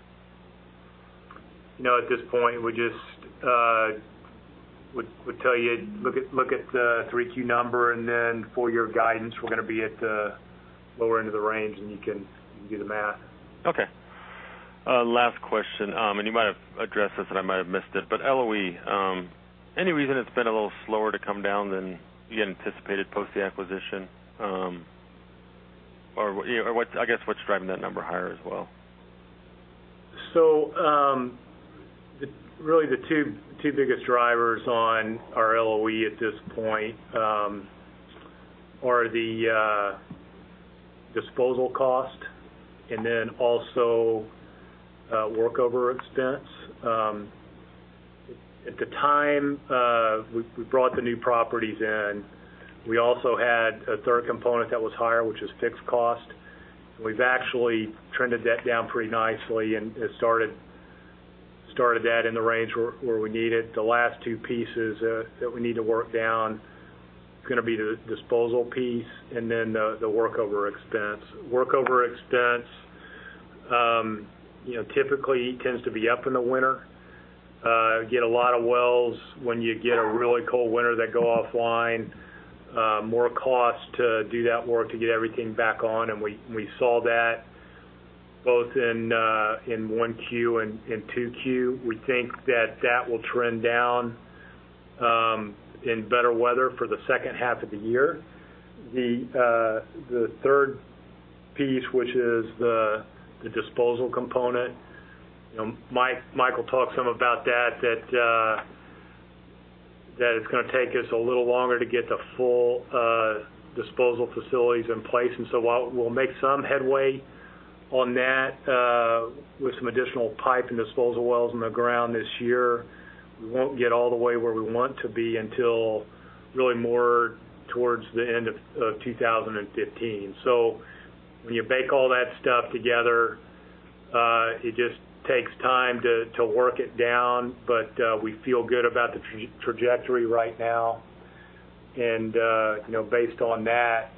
No, at this point, we just would tell you look at the 3Q number and then for your guidance, we're going to be at the lower end of the range and you can do the math. Okay. Last question, and you might have addressed this and I might have missed it, but LOE. Any reason it's been a little slower to come down than you had anticipated post the acquisition? I guess what's driving that number higher as well? Really the two biggest drivers on our LOE at this point are the disposal cost and then also workover expense. At the time we brought the new properties in, we also had a third component that was higher, which was fixed cost. We've actually trended that down pretty nicely and started that in the range where we need it. The last two pieces that we need to work down is going to be the disposal piece and then the workover expense. Workover expense typically tends to be up in the winter. Get a lot of wells when you get a really cold winter that go offline. More cost to do that work to get everything back on, and we saw that both in 1Q and in 2Q. We think that that will trend down in better weather for the second half of the year. The third piece, which is the disposal component, Michael talked some about that it's going to take us a little longer to get the full disposal facilities in place. While we'll make some headway on that with some additional pipe and disposal wells in the ground this year, we won't get all the way where we want to be until really more towards the end of 2015. When you bake all that stuff together, it just takes time to work it down, but we feel good about the trajectory right now. Based on that,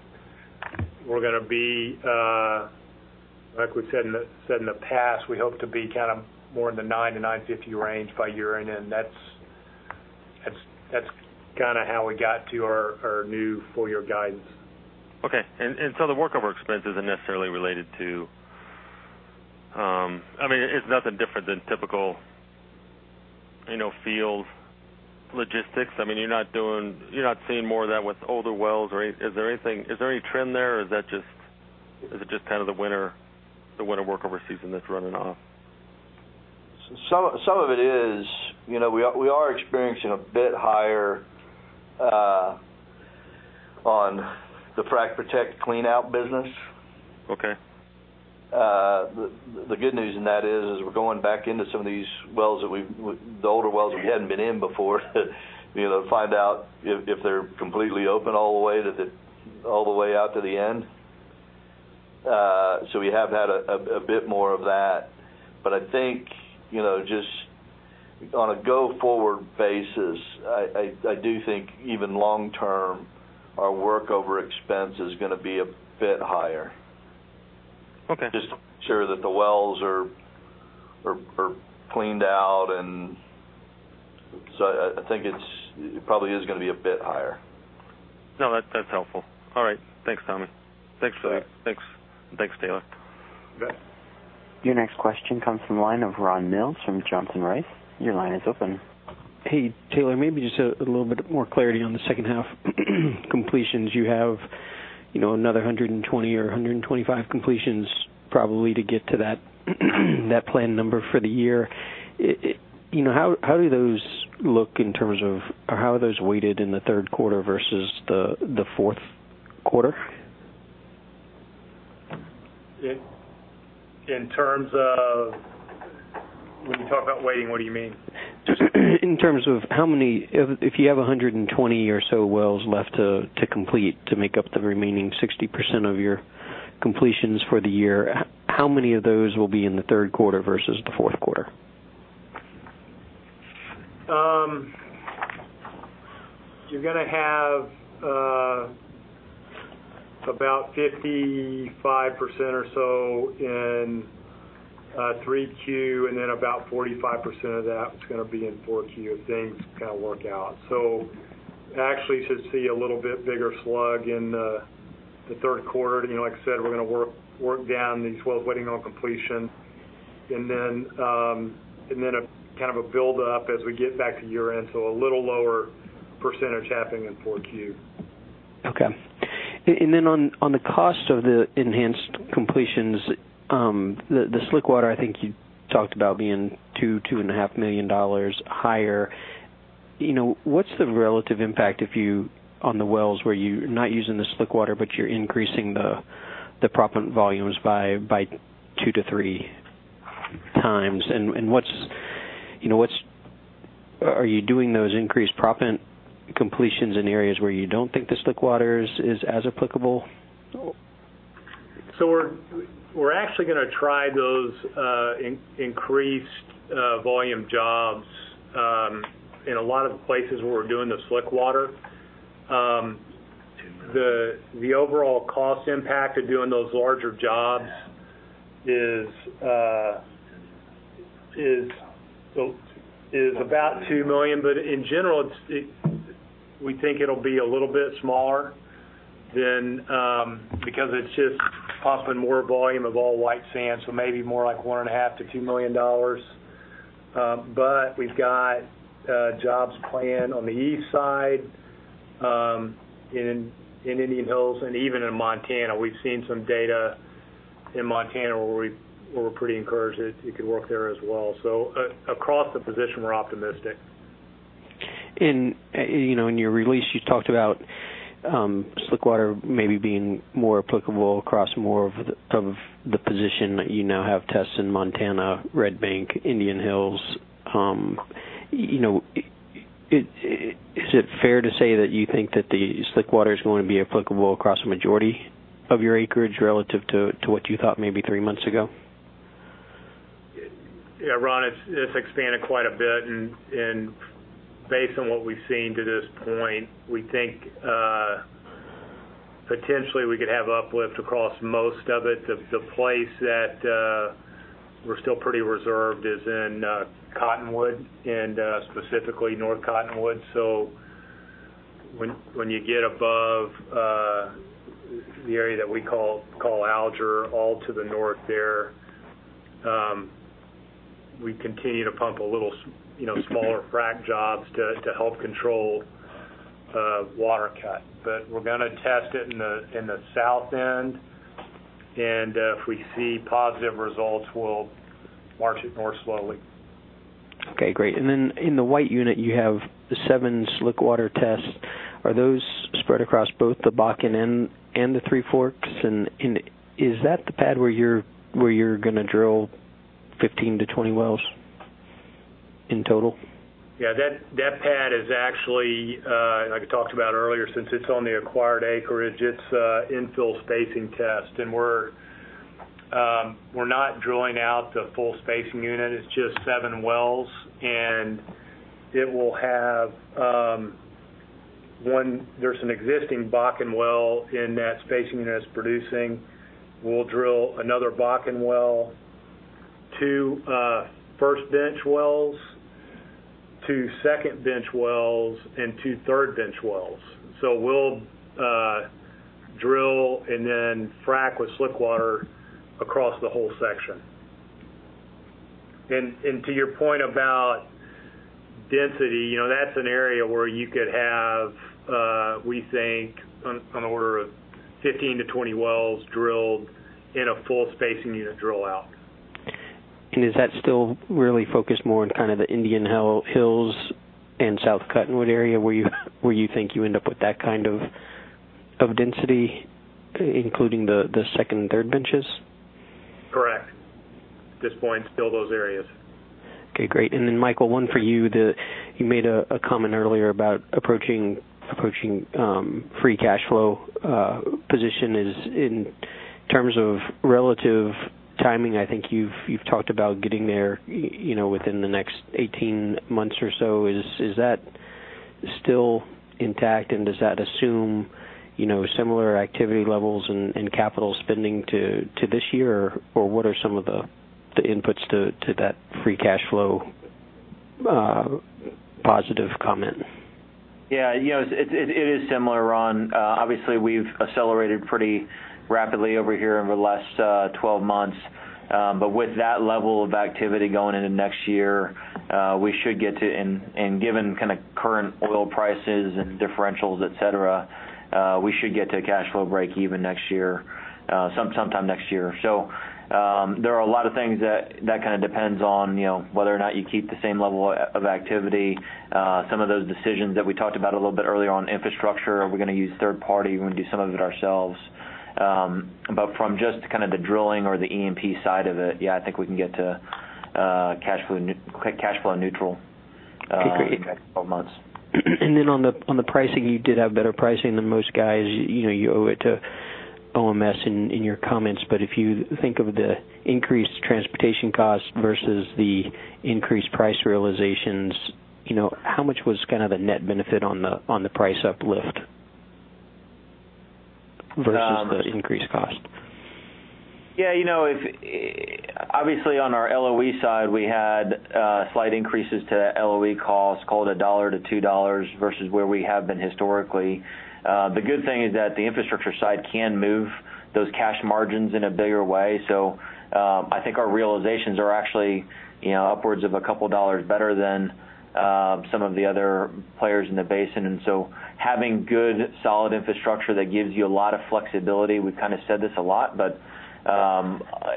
we're going to be, like we've said in the past, we hope to be more in the 9 to 950 range by year-end, and that's how we got to our new full year guidance. Okay. The workover expense isn't necessarily related. It's nothing different than typical field logistics. You're not seeing more of that with older wells, or is there any trend there, or is it just the winter workover season that's running off? Some of it is. We are experiencing a bit higher on the frac protect cleanout business. Okay. The good news in that is we're going back into some of these older wells we hadn't been in before to find out if they're completely open all the way out to the end. We have had a bit more of that. On a go forward basis, I do think even long term, our workover expense is going to be a bit higher. Okay. Just to make sure that the wells are cleaned out, and so I think it probably is going to be a bit higher. No, that's helpful. All right. Thanks, Tommy. You bet. Thanks. Thanks, Taylor. You bet. Your next question comes from the line of Ron Mills from Johnson Rice. Your line is open. Hey, Taylor, maybe just a little bit more clarity on the second half completions. You have another 120 or 125 completions probably to get to that planned number for the year. How do those look in terms of, or how are those weighted in the third quarter versus the fourth quarter? When you talk about weighting, what do you mean? In terms of if you have 120 or so wells left to complete to make up the remaining 60% of your completions for the year, how many of those will be in the third quarter versus the fourth quarter? You're going to have about 55% or so in 3Q, then about 45% of that is going to be in 4Q if things work out. Actually should see a little bit bigger slug in the third quarter. Like I said, we're going to work down these wells waiting on completion, then a build up as we get back to year-end, a little lower percentage happening in 4Q. Okay. Then on the cost of the enhanced completions, the slickwater, I think you talked about being $2 million-$2.5 million higher. What's the relative impact on the wells where you're not using the slickwater, but you're increasing the proppant volumes by two to three times? Are you doing those increased proppant completions in areas where you don't think the slickwater is as applicable? We're actually going to try those increased volume jobs in a lot of the places where we're doing the slickwater. The overall cost impact of doing those larger jobs is about $2 million, but in general, we think it'll be a little bit smaller because it's just popping more volume of all white sand, maybe more like $1.5 million-$2 million. We've got jobs planned on the east side, in Indian Hills and even in Montana. We've seen some data in Montana where we're pretty encouraged that it could work there as well. Across the position, we're optimistic. In your release, you talked about slickwater maybe being more applicable across more of the position that you now have tests in Montana, Red Bank, Indian Hills. Is it fair to say that you think that the slickwater is going to be applicable across the majority of your acreage relative to what you thought maybe three months ago? Yeah, Ron, it's expanded quite a bit. Based on what we've seen to this point, we think potentially we could have uplift across most of it. The place that we're still pretty reserved is in Cottonwood, and specifically North Cottonwood. When you get above the area that we call Alger, all to the north there, we continue to pump little, smaller frac jobs to help control water cut. We're going to test it in the south end, and if we see positive results, we'll march it north slowly. Okay, great. Then in the White unit, you have the seven slickwater tests. Are those spread across both the Bakken and the Three Forks? Is that the pad where you're going to drill 15 to 20 wells in total? Yeah, that pad is actually, like I talked about earlier, since it's on the acquired acreage, it's an infill spacing test. We're not drilling out the full spacing unit. It's just seven wells, and it will have There's an existing Bakken well in that spacing that's producing. We'll drill another Bakken well, two first bench wells, two second bench wells, and two third bench wells. We'll drill and then frac with slickwater across the whole section. To your point about density, that's an area where you could have, we think, on the order of 15 to 20 wells drilled in a full spacing unit drill out. Is that still really focused more on the Indian Hills and South Cottonwood area where you think you end up with that kind of density, including the second and third benches? Correct. At this point, it's still those areas. Okay, great. Michael, one for you. You made a comment earlier about approaching free cash flow position is in terms of relative timing. I think you've talked about getting there within the next 18 months or so. Is that still intact, and does that assume similar activity levels and capital spending to this year? What are some of the inputs to that free cash flow positive comment? Yeah. It is similar, Ron. Obviously, we've accelerated pretty rapidly over here over the last 12 months. With that level of activity going into next year, and given current oil prices and differentials, et cetera, we should get to cash flow breakeven next year, sometime next year. There are a lot of things that depends on whether or not you keep the same level of activity. Some of those decisions that we talked about a little bit earlier on infrastructure, are we going to use third party, are we going to do some of it ourselves? From just the drilling or the E&P side of it, yeah, I think we can get to cash flow neutral. Okay, great. in the next 12 months. On the pricing, you did have better pricing than most guys. You owe it to OMS in your comments. If you think of the increased transportation cost versus the increased price realizations, how much was the net benefit on the price uplift versus the increased cost? Obviously, on our LOE side, we had slight increases to LOE costs, call it $1 to $2 versus where we have been historically. The good thing is that the infrastructure side can move those cash margins in a bigger way. I think our realizations are actually upwards of a couple of dollars better than some of the other players in the basin. Having good, solid infrastructure that gives you a lot of flexibility, we've said this a lot, but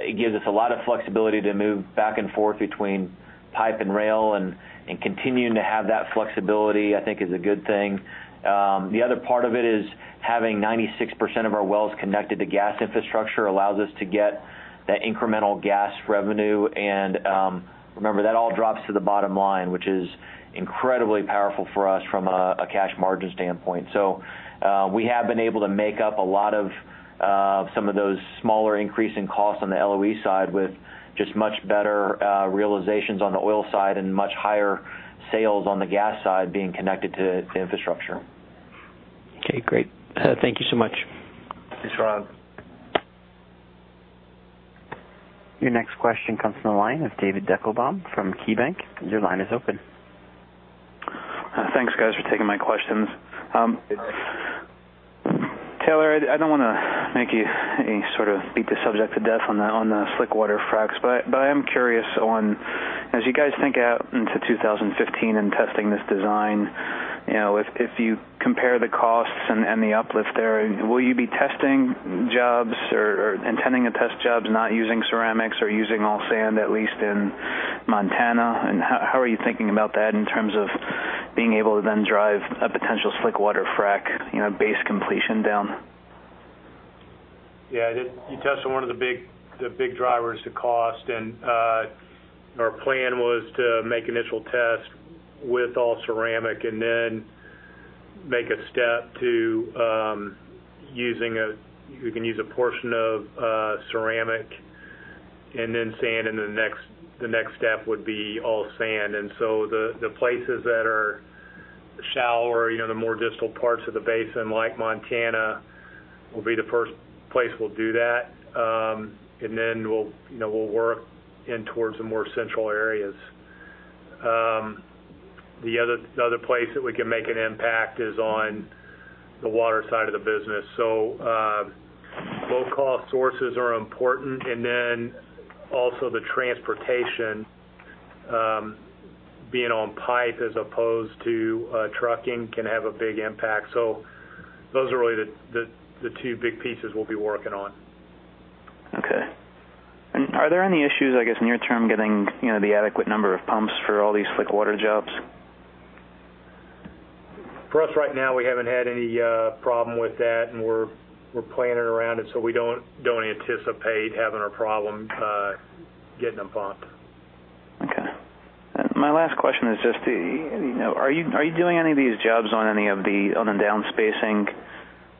it gives us a lot of flexibility to move back and forth between pipe and rail, and continuing to have that flexibility, I think is a good thing. The other part of it is having 96% of our wells connected to gas infrastructure allows us to get that incremental gas revenue. Remember, that all drops to the bottom line, which is incredibly powerful for us from a cash margin standpoint. We have been able to make up a lot of some of those smaller increase in costs on the LOE side with just much better realizations on the oil side and much higher sales on the gas side being connected to infrastructure. Okay, great. Thank you so much. Thanks, Ron. Your next question comes from the line of David Deckelbaum from KeyBank. Your line is open. Thanks, guys, for taking my questions. Yeah. Taylor, I don't want to make you beat the subject to death on the slickwater fracs, I am curious on, as you guys think out into 2015 in testing this design, if you compare the costs and the uplift there, will you be testing jobs or intending to test jobs not using ceramics or using all sand, at least in Montana? How are you thinking about that in terms of being able to then drive a potential slickwater frac base completion down? Yeah. You touched on one of the big drivers, the cost, Our plan was to make initial tests with all ceramic then make a step to using a portion of ceramic and then sand, The next step would be all sand. The places that are shallower, the more distal parts of the basin, like Montana, will be the first place we'll do that. We'll work in towards the more central areas. The other place that we can make an impact is on the water side of the business. Low-cost sources are important. Also the transportation, being on pipe as opposed to trucking can have a big impact. Those are really the two big pieces we'll be working on. Okay. Are there any issues, I guess, near term, getting the adequate number of pumps for all these slickwater jobs? For us right now, we haven't had any problem with that, and we're planning around it, so we don't anticipate having a problem getting them pumped. Okay. My last question is just, are you doing any of these jobs on any of the other down-spacing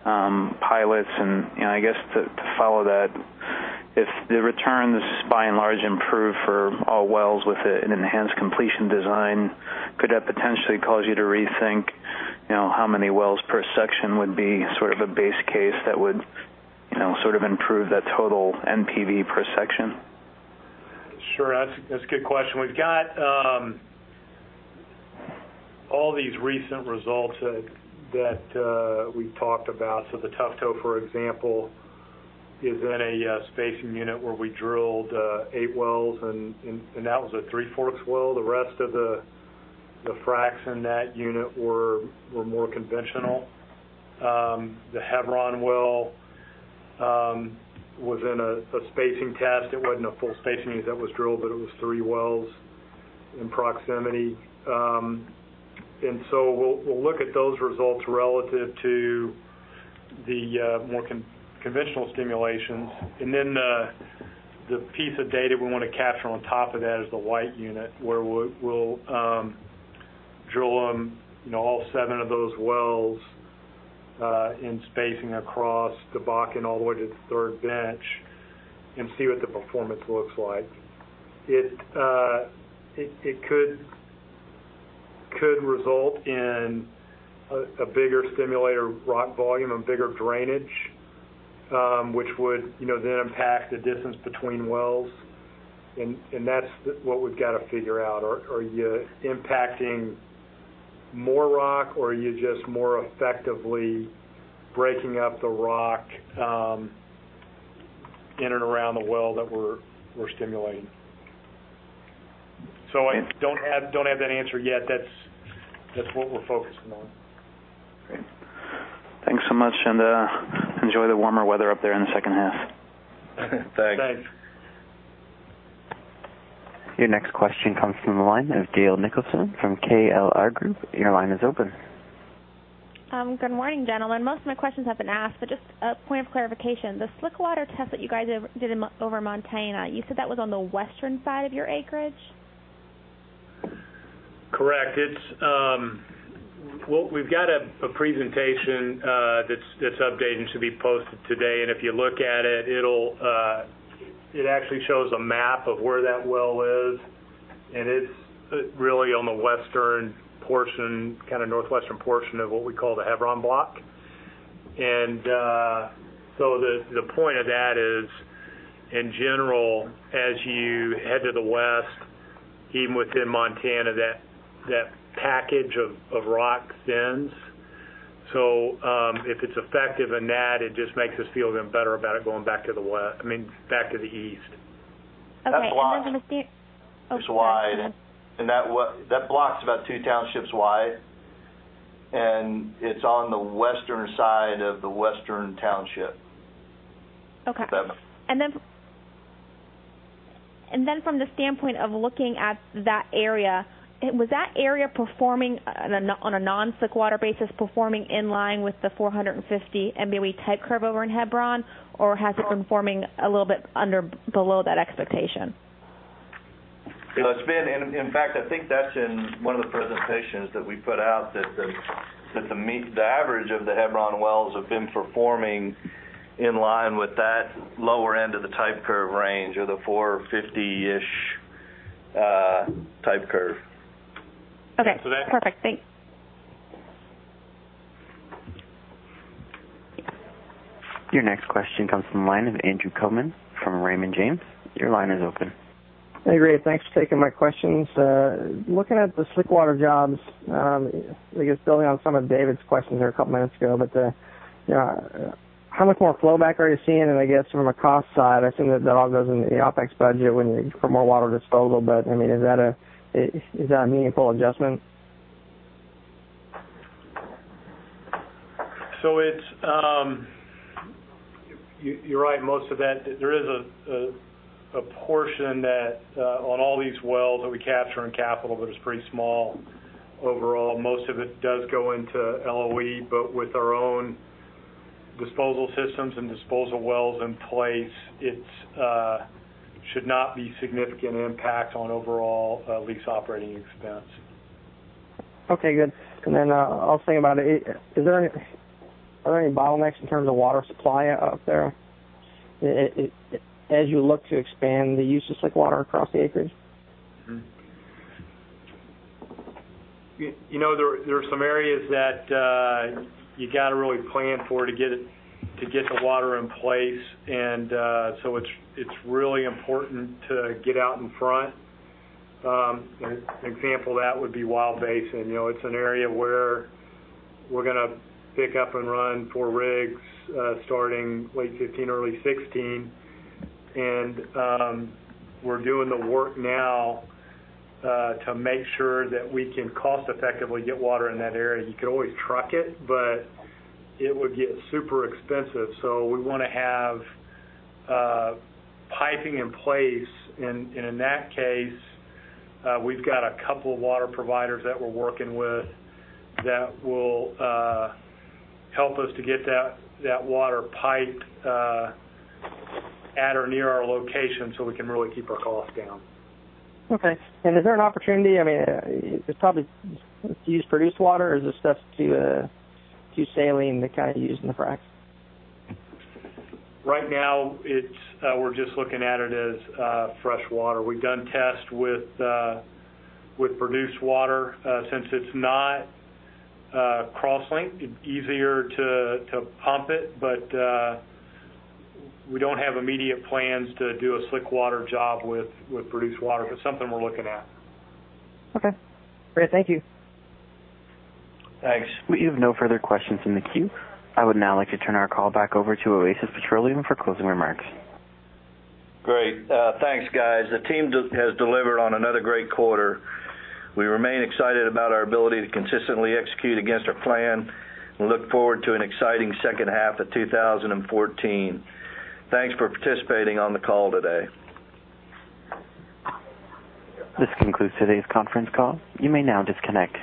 pilots? I guess to follow that, if the returns by and large improve for all wells with an enhanced completion design, could that potentially cause you to rethink how many wells per section would be sort of a base case that would sort of improve that total NPV per section? Sure. That's a good question. We've got all these recent results that we've talked about. The Tufto, for example, is in a spacing unit where we drilled eight wells, and that was a Three Forks well. The rest of the fracs in that unit were more conventional. The Hebron well was in a spacing test. It wasn't a full spacing unit that was drilled, but it was three wells in proximity. We'll look at those results relative to the more conventional stimulations. The piece of data we want to capture on top of that is the White unit, where we'll drill all seven of those wells in spacing across the Bakken all the way to the third bench and see what the performance looks like. It could result in a bigger stimulated rock volume, a bigger drainage, which would then impact the distance between wells, and that's what we've got to figure out. Are you impacting more rock, or are you just more effectively breaking up the rock in and around the well that we're stimulating? I don't have that answer yet. That's what we're focusing on. Great. Thanks so much, and enjoy the warmer weather up there in the second half. Thanks. Thanks. Your next question comes from the line of Gail Nicholson Dodds from KLR Group. Your line is open. Good morning, gentlemen. Most of my questions have been asked, but just a point of clarification, the slickwater test that you guys did over Montana, you said that was on the western side of your acreage? Correct. We've got a presentation that's updating, should be posted today, and if you look at it actually shows a map of where that well is, and it's really on the western portion, kind of northwestern portion of what we call the Hebron block. The point of that is, in general, as you head to the west, even within Montana, that package of rock thins. If it's effective in that, it just makes us feel even better about it going back to the east. Okay. From a. That block is wide, and that block's about two townships wide, and it's on the western side of the western township. Okay. From the standpoint of looking at that area, was that area performing on a non-slickwater basis, performing in line with the 450 MBOE type curve over in Hebron? Has it been performing a little bit below that expectation? In fact, I think that's in one of the presentations that we put out, that the average of the Hebron wells have been performing in line with that lower end of the type curve range or the 450-ish type curve. Okay. Perfect. Thanks. Your next question comes from the line of Andrew Coleman from Raymond James. Your line is open. Hey, great. Thanks for taking my questions. Looking at the slickwater jobs, I guess building on some of David's questions there a couple of minutes ago, how much more flowback are you seeing? I guess from a cost side, I assume that all goes into the OPEX budget when you put more water disposal, I mean, is that a meaningful adjustment? You're right, most of that. There is a portion that on all these wells that we capture in capital that is pretty small. Overall, most of it does go into LOE, with our own disposal systems and disposal wells in place, it should not be significant impact on overall lease operating expense. Okay, good. I was thinking about, are there any bottlenecks in terms of water supply out there, as you look to expand the use of slickwater across the acreage? There are some areas that you got to really plan for to get the water in place. It's really important to get out in front. An example of that would be Wild Basin. It's an area where we're going to pick up and run four rigs, starting late 2015, early 2016. We're doing the work now to make sure that we can cost effectively get water in that area. You could always truck it, but it would get super expensive, so we want to have piping in place. In that case, we've got a couple of water providers that we're working with that will help us to get that water piped at or near our location so we can really keep our costs down. Okay. Is there an opportunity, it's probably used produced water, or is this stuff too saline to use in the fracs? Right now, we're just looking at it as fresh water. We've done tests with produced water. Since it's not cross-linked, it's easier to pump it, but we don't have immediate plans to do a slickwater job with produced water. It's something we're looking at. Okay. Great. Thank you. Thanks. We have no further questions in the queue. I would now like to turn our call back over to Oasis Petroleum for closing remarks. Great. Thanks, guys. The team has delivered on another great quarter. We remain excited about our ability to consistently execute against our plan and look forward to an exciting second half of 2014. Thanks for participating on the call today. This concludes today's conference call. You may now disconnect.